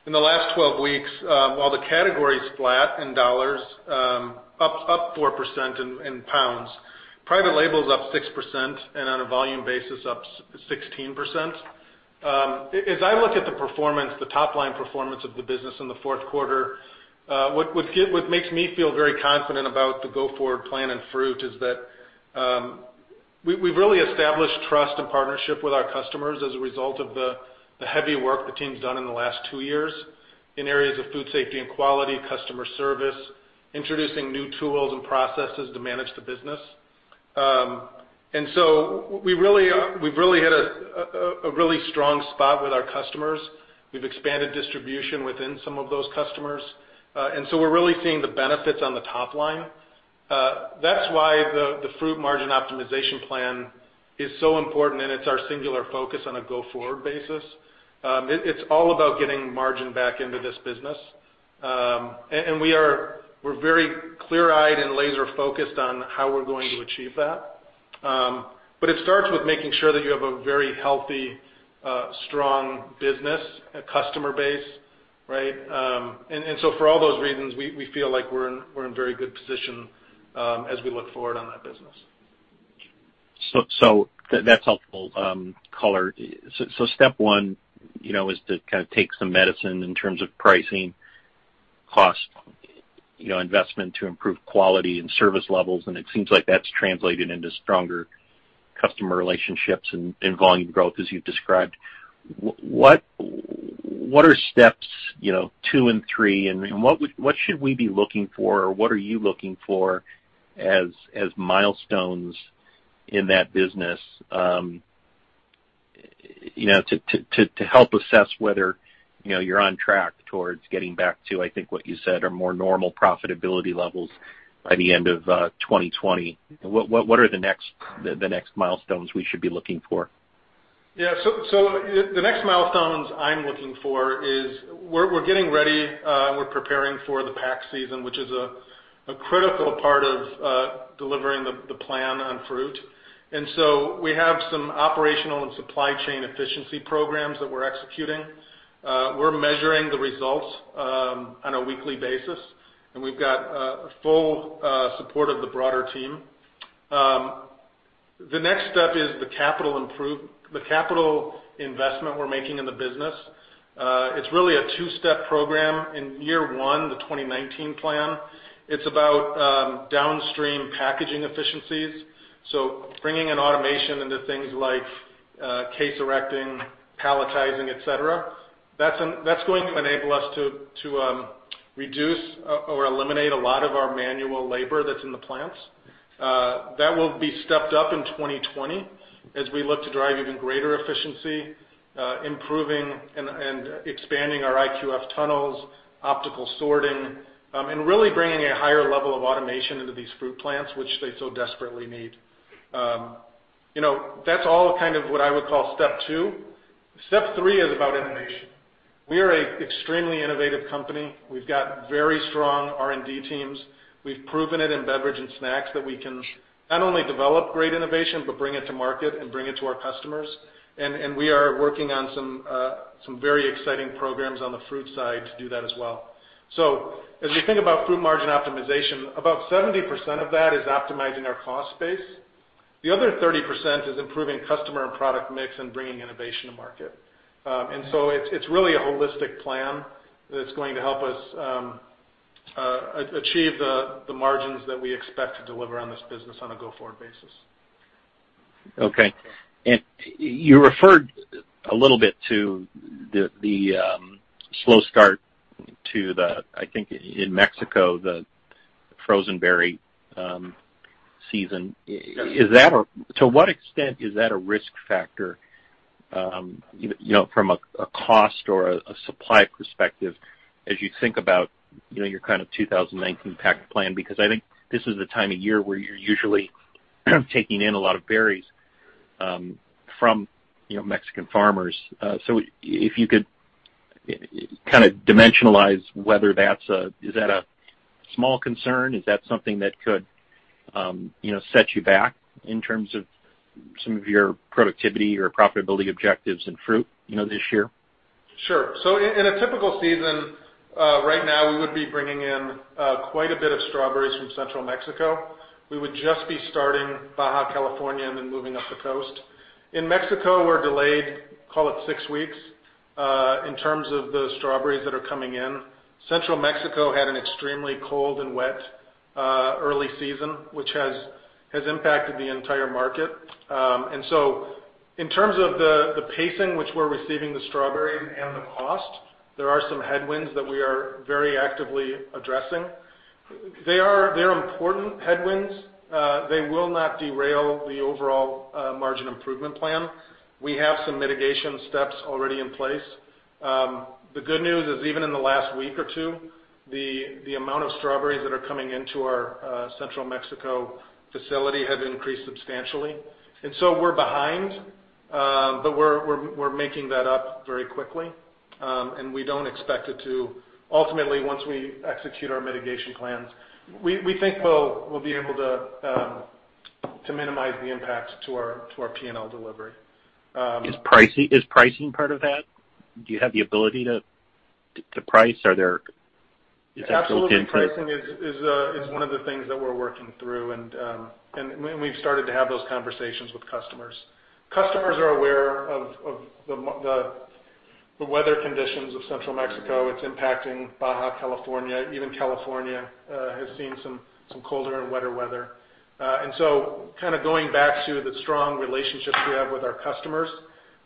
in the last 12 weeks, while the category is flat in dollars, up 4% in pounds, private label is up 6%, on a volume basis, up 16%. As I look at the performance, the top-line performance of the business in the fourth quarter, what makes me feel very confident about the go-forward plan in fruit is that, we've really established trust and partnership with our customers as a result of the heavy work the team has done in the last two years in areas of food safety and quality, customer service, introducing new tools and processes to manage the business. We've really hit a really strong spot with our customers. We've expanded distribution within some of those customers. We're really seeing the benefits on the top line. That's why the fruit margin optimization plan is so important, it's our singular focus on a go-forward basis. It's all about getting margin back into this business. We're very clear-eyed and laser-focused on how we're going to achieve that. It starts with making sure that you have a very healthy, strong business, a customer base, right? For all those reasons, we feel like we're in very good position, as we look forward on that business.
That's helpful color. Step one is to kind of take some medicine in terms of pricing, cost, investment to improve quality and service levels, and it seems like that's translated into stronger customer relationships and volume growth as you've described. What are steps two and three, and what should we be looking for, or what are you looking for as milestones in that business, to help assess whether you're on track towards getting back to, I think what you said, are more normal profitability levels by the end of 2020? What are the next milestones we should be looking for?
The next milestones I'm looking for is we're getting ready, we're preparing for the pack season, which is a critical part of delivering the plan on fruit. We have some operational and supply chain efficiency programs that we're executing. We're measuring the results on a weekly basis, and we've got full support of the broader team. The next step is the capital investment we're making in the business. It's really a two-step program. In year one, the 2019 plan, it's about downstream packaging efficiencies, bringing in automation into things like case erecting, palletizing, et cetera. That's going to enable us to reduce or eliminate a lot of our manual labor that's in the plants. That will be stepped up in 2020 as we look to drive even greater efficiency, improving and expanding our IQF tunnels, optical sorting, and really bringing a higher level of automation into these fruit plants, which they so desperately need. That's all kind of what I would call step two. Step three is about innovation. We are an extremely innovative company. We've got very strong R&D teams. We've proven it in beverage and snacks that we can not only develop great innovation, but bring it to market and bring it to our customers. We are working on some very exciting programs on the fruit side to do that as well. As we think about fruit margin optimization, about 70% of that is optimizing our cost base. The other 30% is improving customer and product mix and bringing innovation to market. It's really a holistic plan that's going to help us achieve the margins that we expect to deliver on this business on a go-forward basis.
You referred a little bit to the slow start to the, I think, in Mexico, the frozen berry season.
Yeah.
To what extent is that a risk factor from a cost or a supply perspective as you think about your kind of 2019 PAC plan? I think this is the time of year where you're usually taking in a lot of berries from Mexican farmers. If you could kind of dimensionalize whether is that a small concern? Is that something that could set you back in terms of some of your productivity or profitability objectives in fruit this year?
Sure. In a typical season right now, we would be bringing in quite a bit of strawberries from central Mexico. We would just be starting Baja California then moving up the coast. In Mexico, we're delayed, call it six weeks in terms of the strawberries that are coming in. Central Mexico had an extremely cold and wet early season, which has impacted the entire market. In terms of the pacing which we're receiving the strawberries and the cost, there are some headwinds that we are very actively addressing. They are important headwinds. They will not derail the overall margin improvement plan. We have some mitigation steps already in place. The good news is, even in the last week or two, the amount of strawberries that are coming into our central Mexico facility has increased substantially. We're behind, but we're making that up very quickly. We don't expect it. Ultimately, once we execute our mitigation plans, we think we'll be able to minimize the impact to our P&L delivery.
Is pricing part of that? Do you have the ability to price? Is that built into it?
Absolutely. Pricing is one of the things that we're working through, and we've started to have those conversations with customers. Customers are aware of the weather conditions of Central Mexico. It's impacting Baja California. Even California has seen some colder and wetter weather. Kind of going back to the strong relationships we have with our customers,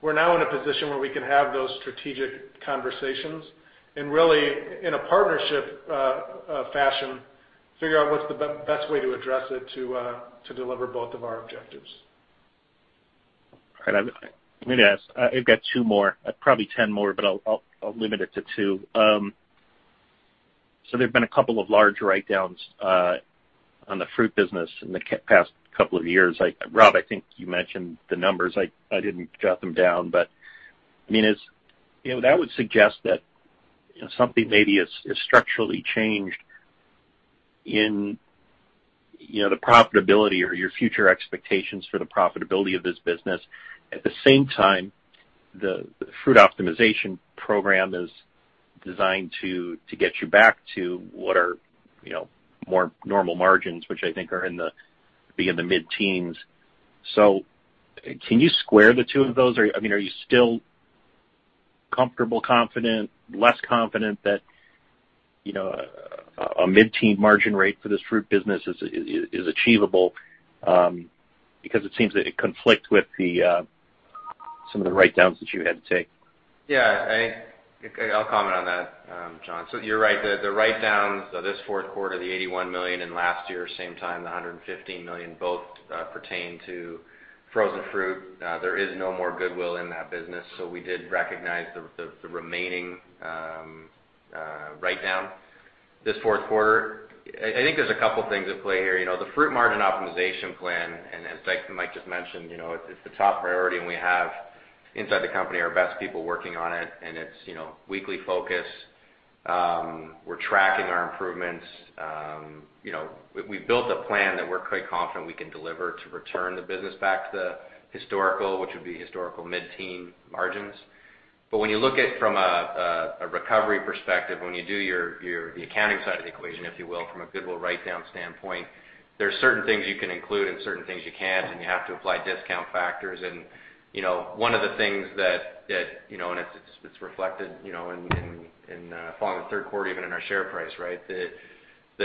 we're now in a position where we can have those strategic conversations and really, in a partnership fashion, figure out what's the best way to address it to deliver both of our objectives.
All right. Let me ask, I've got two more, probably 10 more, but I'll limit it to two. There've been a couple of large write-downs on the fruit business in the past couple of years. Rob, I think you mentioned the numbers. I didn't jot them down, but that would suggest that something maybe has structurally changed in the profitability or your future expectations for the profitability of this business. At the same time, the fruit optimization program is designed to get you back to what are more normal margins, which I think are in the mid-teens. Can you square the two of those? Are you still comfortable, confident, less confident that a mid-teen margin rate for this fruit business is achievable? Because it seems that it conflicts with some of the write-downs that you had to take.
Yeah, I'll comment on that, Jon. You're right. The write-downs this fourth quarter, the $81 million, and last year, same time, the $115 million, both pertain to frozen fruit. There is no more goodwill in that business. We did recognize the remaining write-down this fourth quarter. I think there's a couple of things at play here. The fruit margin optimization plan, as Mike just mentioned, it's the top priority, and we have inside the company our best people working on it, and it's weekly focus. We're tracking our improvements. We've built a plan that we're quite confident we can deliver to return the business back to the historical, which would be historical mid-teen margins. When you look at it from a recovery perspective, when you do the accounting side of the equation, if you will, from a goodwill write-down standpoint, there's certain things you can include and certain things you can't, and you have to apply discount factors. One of the things that, and it's reflected in following the third quarter, even in our share price, right? The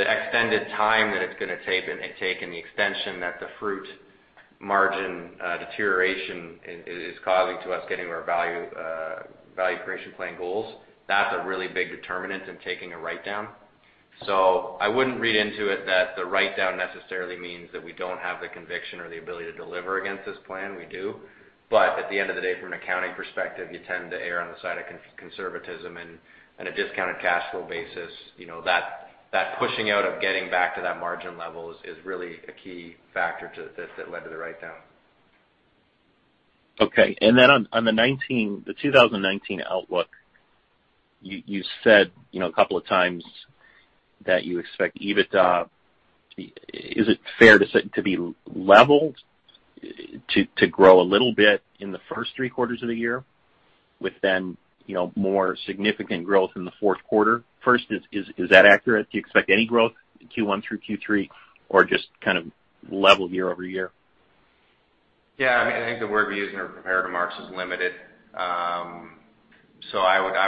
extended time that it's going to take and the extension that the fruit margin deterioration is causing to us getting our value creation plan goals, that's a really big determinant in taking a write-down. I wouldn't read into it that the write-down necessarily means that we don't have the conviction or the ability to deliver against this plan. We do. At the end of the day, from an accounting perspective, you tend to err on the side of conservatism and a discounted cash flow basis. That pushing out of getting back to that margin level is really a key factor to this that led to the write-down.
Okay. Then on the 2019 outlook, you said a couple of times that you expect EBITDA. Is it fair to say to be level, to grow a little bit in the first three quarters of the year with then more significant growth in the fourth quarter? First, is that accurate? Do you expect any growth in Q1 through Q3 or just kind of level year-over-year?
Yeah. I think the word we used in our prepared remarks is limited. I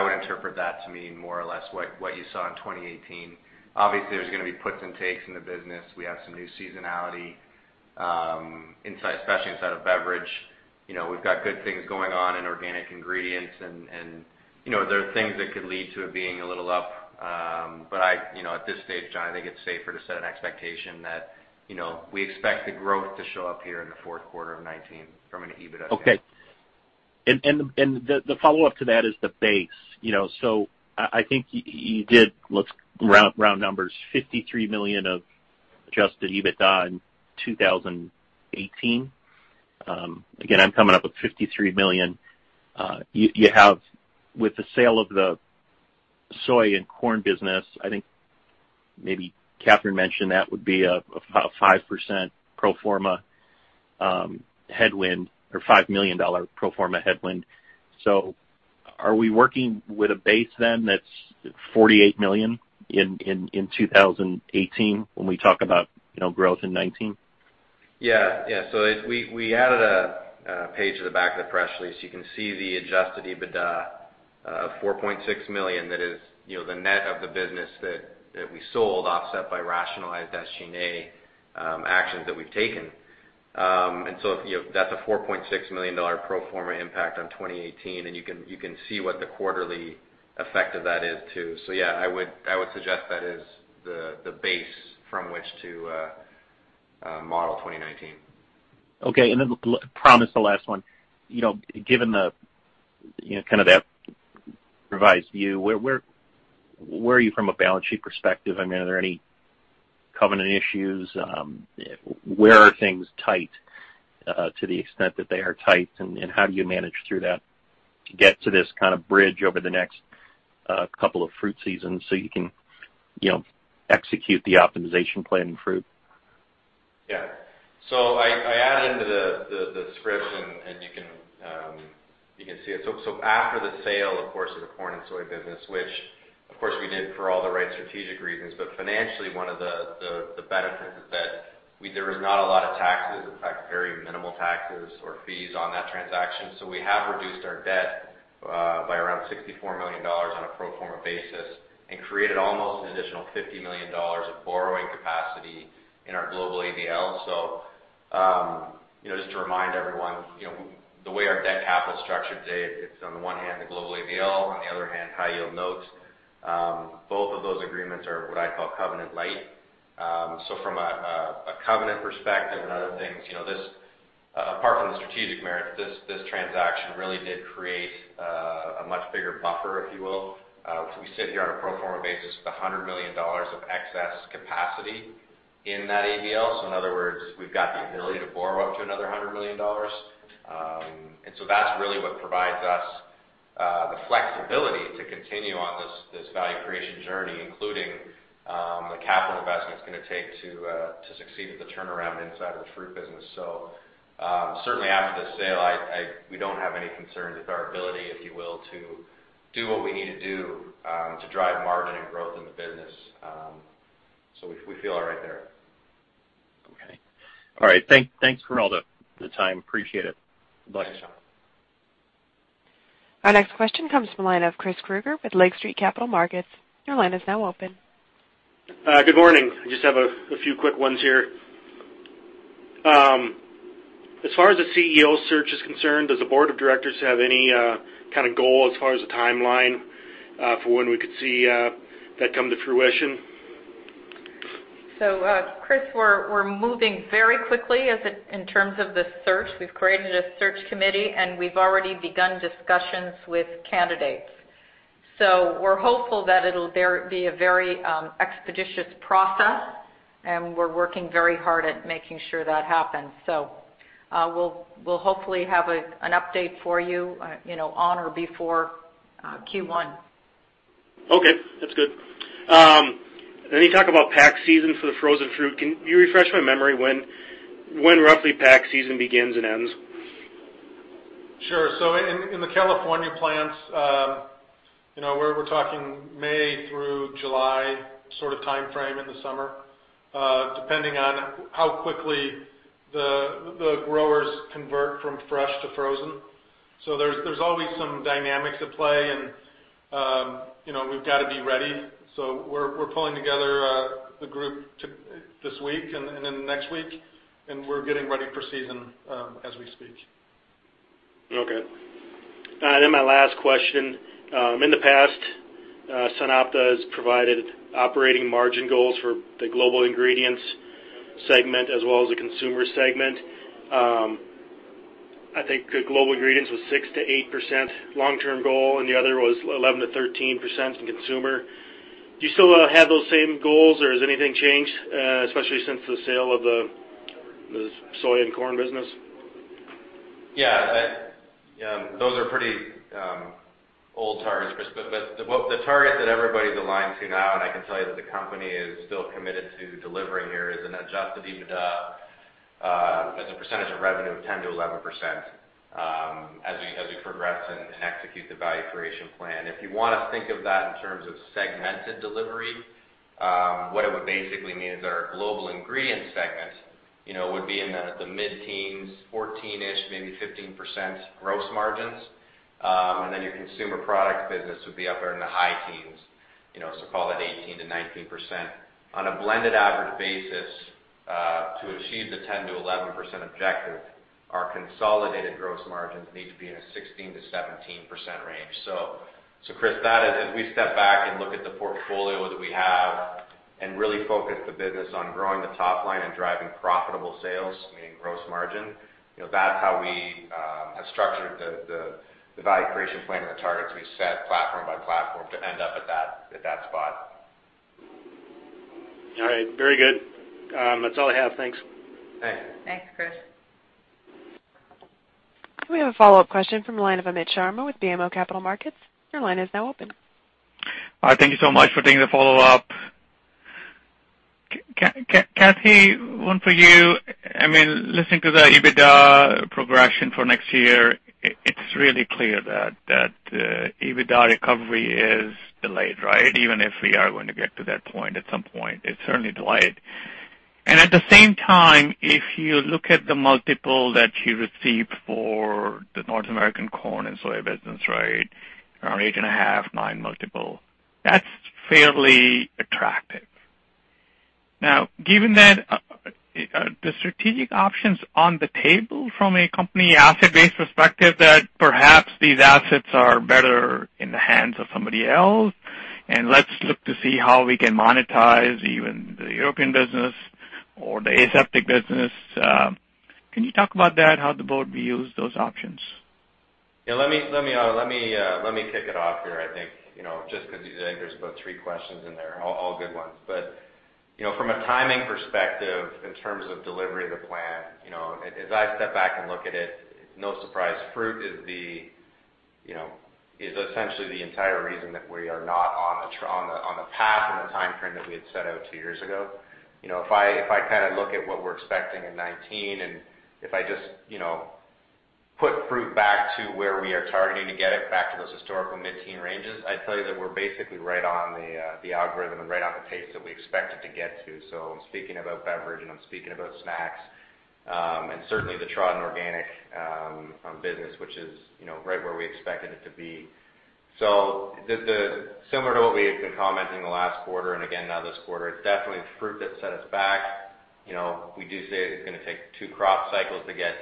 would interpret that to mean more or less what you saw in 2018. Obviously, there's going to be puts and takes in the business. We have some new seasonality, especially inside of beverage. We've got good things going on in organic ingredients, and there are things that could lead to it being a little up. At this stage, Jon, I think it's safer to set an expectation that we expect the growth to show up here in the fourth quarter of 2019 from an EBITDA standpoint.
Okay. The follow-up to that is the base. I think you did, let's round numbers, $53 million of adjusted EBITDA in 2018. Again, I'm coming up with $53 million. You have with the sale of the soy and corn business, I think maybe Kathy mentioned that would be a 5% pro forma headwind or $5 million pro forma headwind. Are we working with a base then that's $48 million in 2018 when we talk about growth in 2019?
Yeah. We added a page to the back of the press release. You can see the adjusted EBITDA of $4.6 million that is the net of the business that we sold offset by rationalized SG&A actions that we've taken. That's a $4.6 million pro forma impact on 2018, and you can see what the quarterly effect of that is, too. Yeah, I would suggest that is the base from which to model 2019.
Okay. Promise the last one. Given that revised view, where are you from a balance sheet perspective? Are there any covenant issues? Where are things tight, to the extent that they are tight, and how do you manage through that to get to this kind of bridge over the next couple of fruit seasons so you can execute the optimization plan in fruit?
Yeah. I added into the script and you can see it. After the sale, of course, of the corn and soy business, which, of course, we did for all the right strategic reasons, but financially one of the benefits is that there was not a lot of taxes, in fact, very minimal taxes or fees on that transaction. We have reduced our debt by around $64 million on a pro forma basis and created almost an additional $50 million of borrowing capacity in our global ABL. Just to remind everyone, the way our debt capital structure today, it's on the one hand a global ABL, on the other hand, high yield notes. Both of those agreements are what I call covenant light. From a covenant perspective and other things, apart from the strategic merits, this transaction really did create a much bigger buffer, if you will. We sit here on a pro forma basis with $100 million of excess capacity in that ABL. In other words, we've got the ability to borrow up to another $100 million. That's really what provides us the flexibility to continue on this value creation journey, including the capital investment it's going to take to succeed with the turnaround inside of the fruit business. Certainly after the sale, we don't have any concerns with our ability, if you will, to do what we need to do to drive margin and growth in the business. We feel all right there.
Okay. All right. Thanks for all the time. Appreciate it.
Bye, Jon.
Our next question comes from the line of Chris Krueger with Lake Street Capital Markets. Your line is now open.
Good morning. I just have a few quick ones here. As far as the CEO search is concerned, does the board of directors have any kind of goal as far as the timeline for when we could see that come to fruition?
Chris, we're moving very quickly in terms of the search. We've created a search committee, and we've already begun discussions with candidates. We're hopeful that it'll be a very expeditious process, and we're working very hard at making sure that happens. We'll hopefully have an update for you on or before Q1.
Okay, that's good. When you talk about pack season for the frozen fruit, can you refresh my memory when roughly pack season begins and ends?
Sure. In the California plants, we're talking May through July sort of timeframe in the summer, depending on how quickly the growers convert from fresh to frozen. There's always some dynamics at play, and we've got to be ready. We're pulling together the group this week and then next week, and we're getting ready for season as we speak.
Okay. My last question. In the past, SunOpta has provided operating margin goals for the Global Ingredients segment as well as the consumer segment. I think the Global Ingredients was 6%-8% long-term goal, and the other was 11%-13% in consumer. Do you still have those same goals or has anything changed, especially since the sale of the soy and corn business?
Yeah. Those are pretty old targets, Chris. The target that everybody's aligned to now, and I can tell you that the company is still committed to delivering here, is an adjusted EBITDA, as a percentage of revenue, of 10%-11% as we progress and execute the Value Creation Plan. If you want to think of that in terms of segmented delivery, what it would basically mean is our Global Ingredients segment would be in the mid-teens, 14%-ish, maybe 15% gross margins. Your consumer product business would be up there in the high teens, so call it 18%-19%. On a blended average basis, to achieve the 10%-11% objective, our consolidated gross margins need to be in a 16%-17% range. Chris, as we step back and look at the portfolio that we have and really focus the business on growing the top line and driving profitable sales, meaning gross margin, that's how we have structured the Value Creation Plan and the targets we set platform by platform to end up at that spot.
All right. Very good. That's all I have. Thanks.
Thanks.
Thanks, Chris.
We have a follow-up question from the line of Amit Sharma with BMO Capital Markets. Your line is now open.
Hi. Thank you so much for taking the follow-up. Kathy, one for you. Listening to the EBITDA progression for next year, it is really clear that EBITDA recovery is delayed. Even if we are going to get to that point at some point, it is certainly delayed. At the same time, if you look at the multiple that you received for the North American corn and soy business, around 8.5-9 multiple, that is fairly attractive. Given that, are the strategic options on the table from a company asset base perspective that perhaps these assets are better in the hands of somebody else, and let us look to see how we can monetize even the European business or the aseptic business. Can you talk about that, how the board views those options?
Let me kick it off here, I think, just because there is about three questions in there, all good ones. From a timing perspective in terms of delivery of the plan, as I step back and look at it is no surprise fruit is essentially the entire reason that we are not on the path and the timeframe that we had set out two years ago. If I look at what we are expecting in 2019, if I just put fruit back to where we are targeting to get it back to those historical mid-teen ranges, I would tell you that we are basically right on the algorithm and right on the pace that we expected to get to. I am speaking about beverage and I am speaking about snacks. Certainly the Tradin Organic business, which is right where we expected it to be. Similar to what we had been commenting the last quarter and again now this quarter, it's definitely fruit that set us back. We do say that it's going to take two crop cycles to get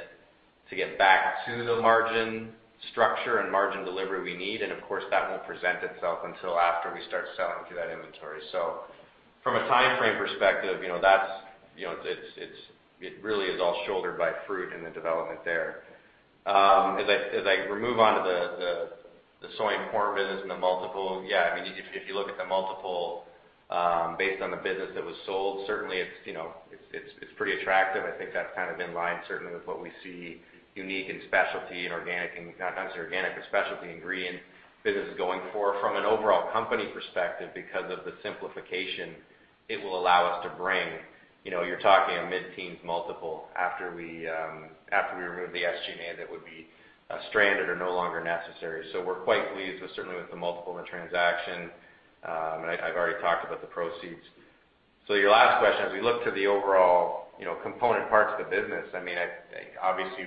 back to the margin structure and margin delivery we need, and of course, that won't present itself until after we start selling through that inventory. From a timeframe perspective, it really is all shouldered by fruit and the development there. As I move on to the soy and corn business and the multiple, if you look at the multiple based on the business that was sold, certainly it's pretty attractive. I think that's in line certainly with what we see unique in specialty and organic, not necessarily organic, but specialty ingredient businesses going for. From an overall company perspective because of the simplification it will allow us to bring, you're talking a mid-teens multiple after we remove the SG&A that would be stranded or no longer necessary. We're quite pleased certainly with the multiple and transaction. I've already talked about the proceeds. Your last question, as we look to the overall component parts of the business, obviously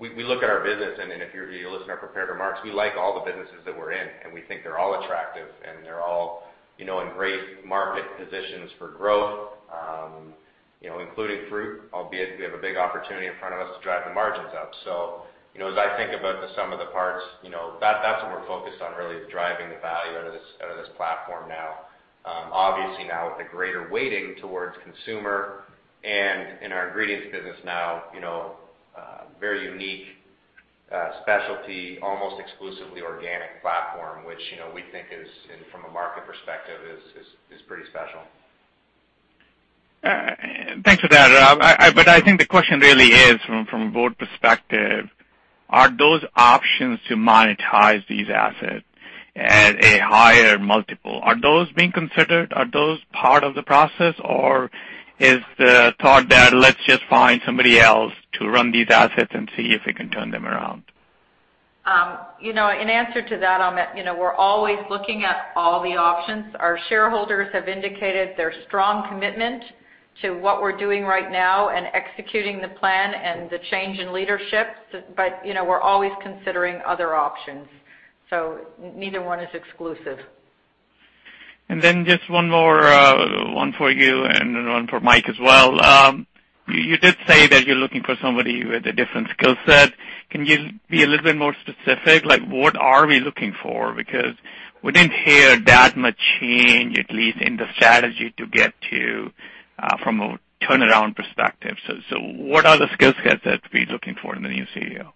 we look at our business and if you listen to our prepared remarks, we like all the businesses that we're in, and we think they're all attractive and they're all in great market positions for growth, including fruit, albeit we have a big opportunity in front of us to drive the margins up. As I think about the sum of the parts, that's what we're focused on really is driving the value out of this platform now. Obviously now with a greater weighting towards consumer and in our ingredients business now, very unique, specialty, almost exclusively organic platform, which we think from a market perspective is pretty special.
Thanks for that, Rob. I think the question really is from a board perspective, are those options to monetize these assets at a higher multiple? Are those being considered? Are those part of the process, or is the thought that let's just find somebody else to run these assets and see if we can turn them around?
In answer to that, Amit, we're always looking at all the options. Our shareholders have indicated their strong commitment to what we're doing right now and executing the plan and the change in leadership. We're always considering other options, so neither one is exclusive.
Just one more, one for you and then one for Mike as well. You did say that you're looking for somebody with a different skill set. Can you be a little bit more specific? What are we looking for? Because we didn't hear that much change, at least in the strategy to get to from a turnaround perspective. What are the skill sets that we're looking for in the new CEO?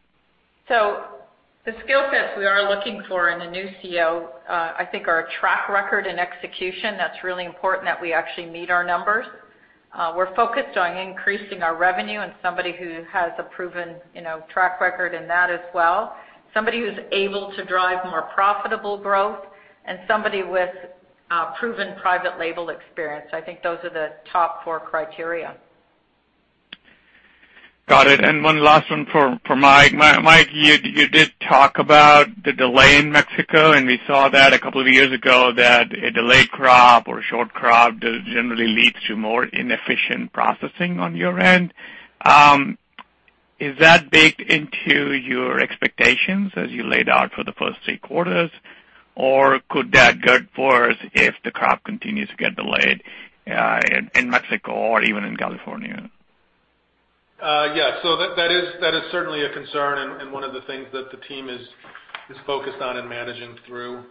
The skill sets we are looking for in the new CEO, I think our track record in execution, that's really important that we actually meet our numbers. We're focused on increasing our revenue and somebody who has a proven track record in that as well, somebody who's able to drive more profitable growth, and somebody with proven private label experience. I think those are the top four criteria.
Got it. One last one for Mike. Mike, you did talk about the delay in Mexico, and we saw that a couple of years ago that a delayed crop or a short crop generally leads to more inefficient processing on your end. Is that baked into your expectations as you laid out for the first three quarters? Or could that gird for us if the crop continues to get delayed in Mexico or even in California?
Yes. That is certainly a concern and one of the things that the team is focused on and managing through.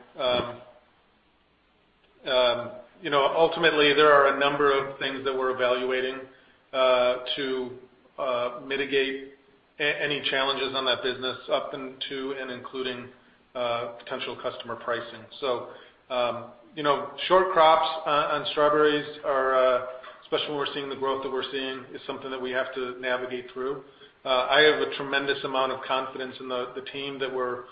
Ultimately, there are a number of things that we're evaluating to mitigate any challenges on that business up into and including potential customer pricing. Short crops and strawberries are, especially when we're seeing the growth that we're seeing, is something that we have to navigate through. I have a tremendous amount of confidence in the team that we're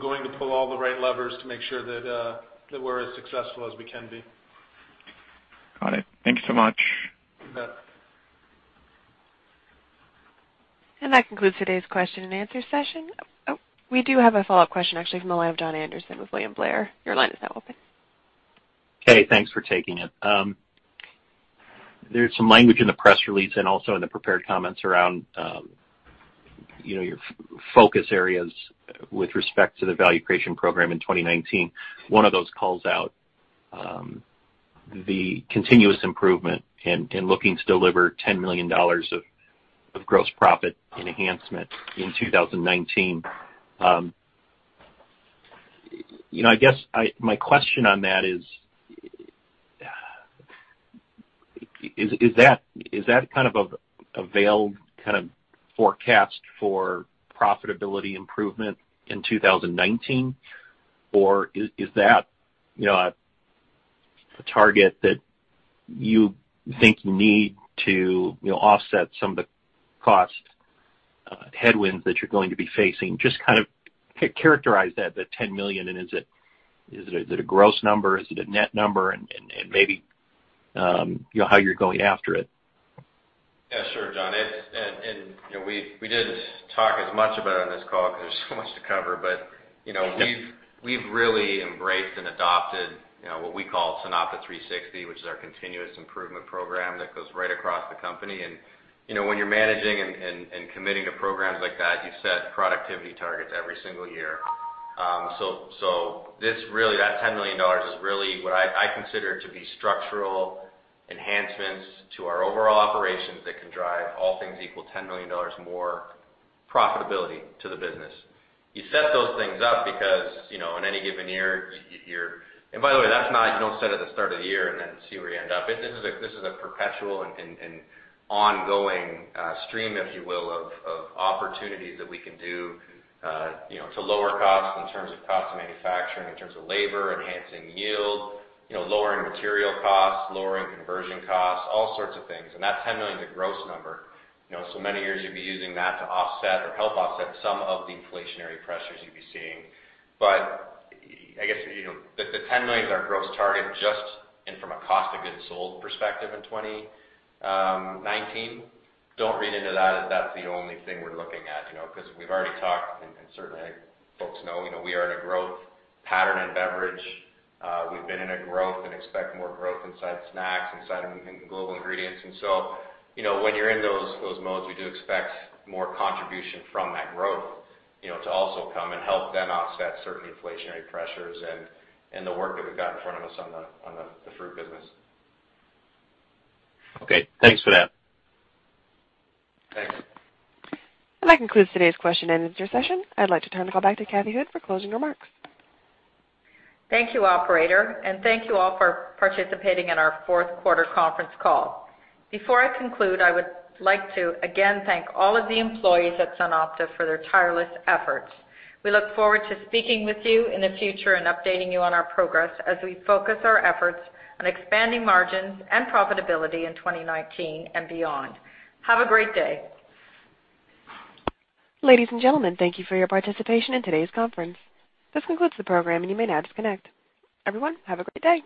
going to pull all the right levers to make sure that we're as successful as we can be.
Got it. Thank you so much.
You bet.
That concludes today's question and answer session. We do have a follow-up question, actually, from the line of Jon Andersen with William Blair. Your line is now open.
Hey, thanks for taking it. There's some language in the press release and also in the prepared comments around your focus areas with respect to the value creation program in 2019. One of those calls out, the continuous improvement in looking to deliver $10 million of gross profit enhancement in 2019. I guess my question on that is that a veiled kind of forecast for profitability improvement in 2019? Is that a target that you think you need to offset some of the cost headwinds that you're going to be facing? Just characterize that $10 million, and is it a gross number? Is it a net number? Maybe, how you're going after it.
Yeah, sure, Jon. We didn't talk as much about it on this call because there's so much to cover, but we've really embraced and adopted what we call SunOpta 360, which is our continuous improvement program that goes right across the company. When you're managing and committing to programs like that, you set productivity targets every single year. That $10 million is really what I consider to be structural enhancements to our overall operations that can drive all things equal $10 million more profitability to the business. You set those things up because, in any given year, you don't set at the start of the year and then see where you end up. This is a perpetual and ongoing stream, if you will, of opportunities that we can do to lower costs in terms of cost of manufacturing, in terms of labor, enhancing yield, lowering material costs, lowering conversion costs, all sorts of things. That $10 million is a gross number. Many years you'd be using that to offset or help offset some of the inflationary pressures you'd be seeing. I guess, the $10 million is our gross target just from a cost of goods sold perspective in 2019. Don't read into that as that's the only thing we're looking at because we've already talked, and certainly folks know we are in a growth pattern in beverage. We've been in a growth and expect more growth inside snacks, inside Global Ingredients, and so, when you're in those modes, we do expect more contribution from that growth to also come and help then offset certain inflationary pressures and the work that we've got in front of us on the fruit business.
Okay, thanks for that.
Thanks.
That concludes today's question and answer session. I'd like to turn the call back to Kathy Houde for closing remarks.
Thank you, operator, and thank you all for participating in our fourth quarter conference call. Before I conclude, I would like to again thank all of the employees at SunOpta for their tireless efforts. We look forward to speaking with you in the future and updating you on our progress as we focus our efforts on expanding margins and profitability in 2019 and beyond. Have a great day.
Ladies and gentlemen, thank you for your participation in today's conference. This concludes the program, and you may now disconnect. Everyone, have a great day.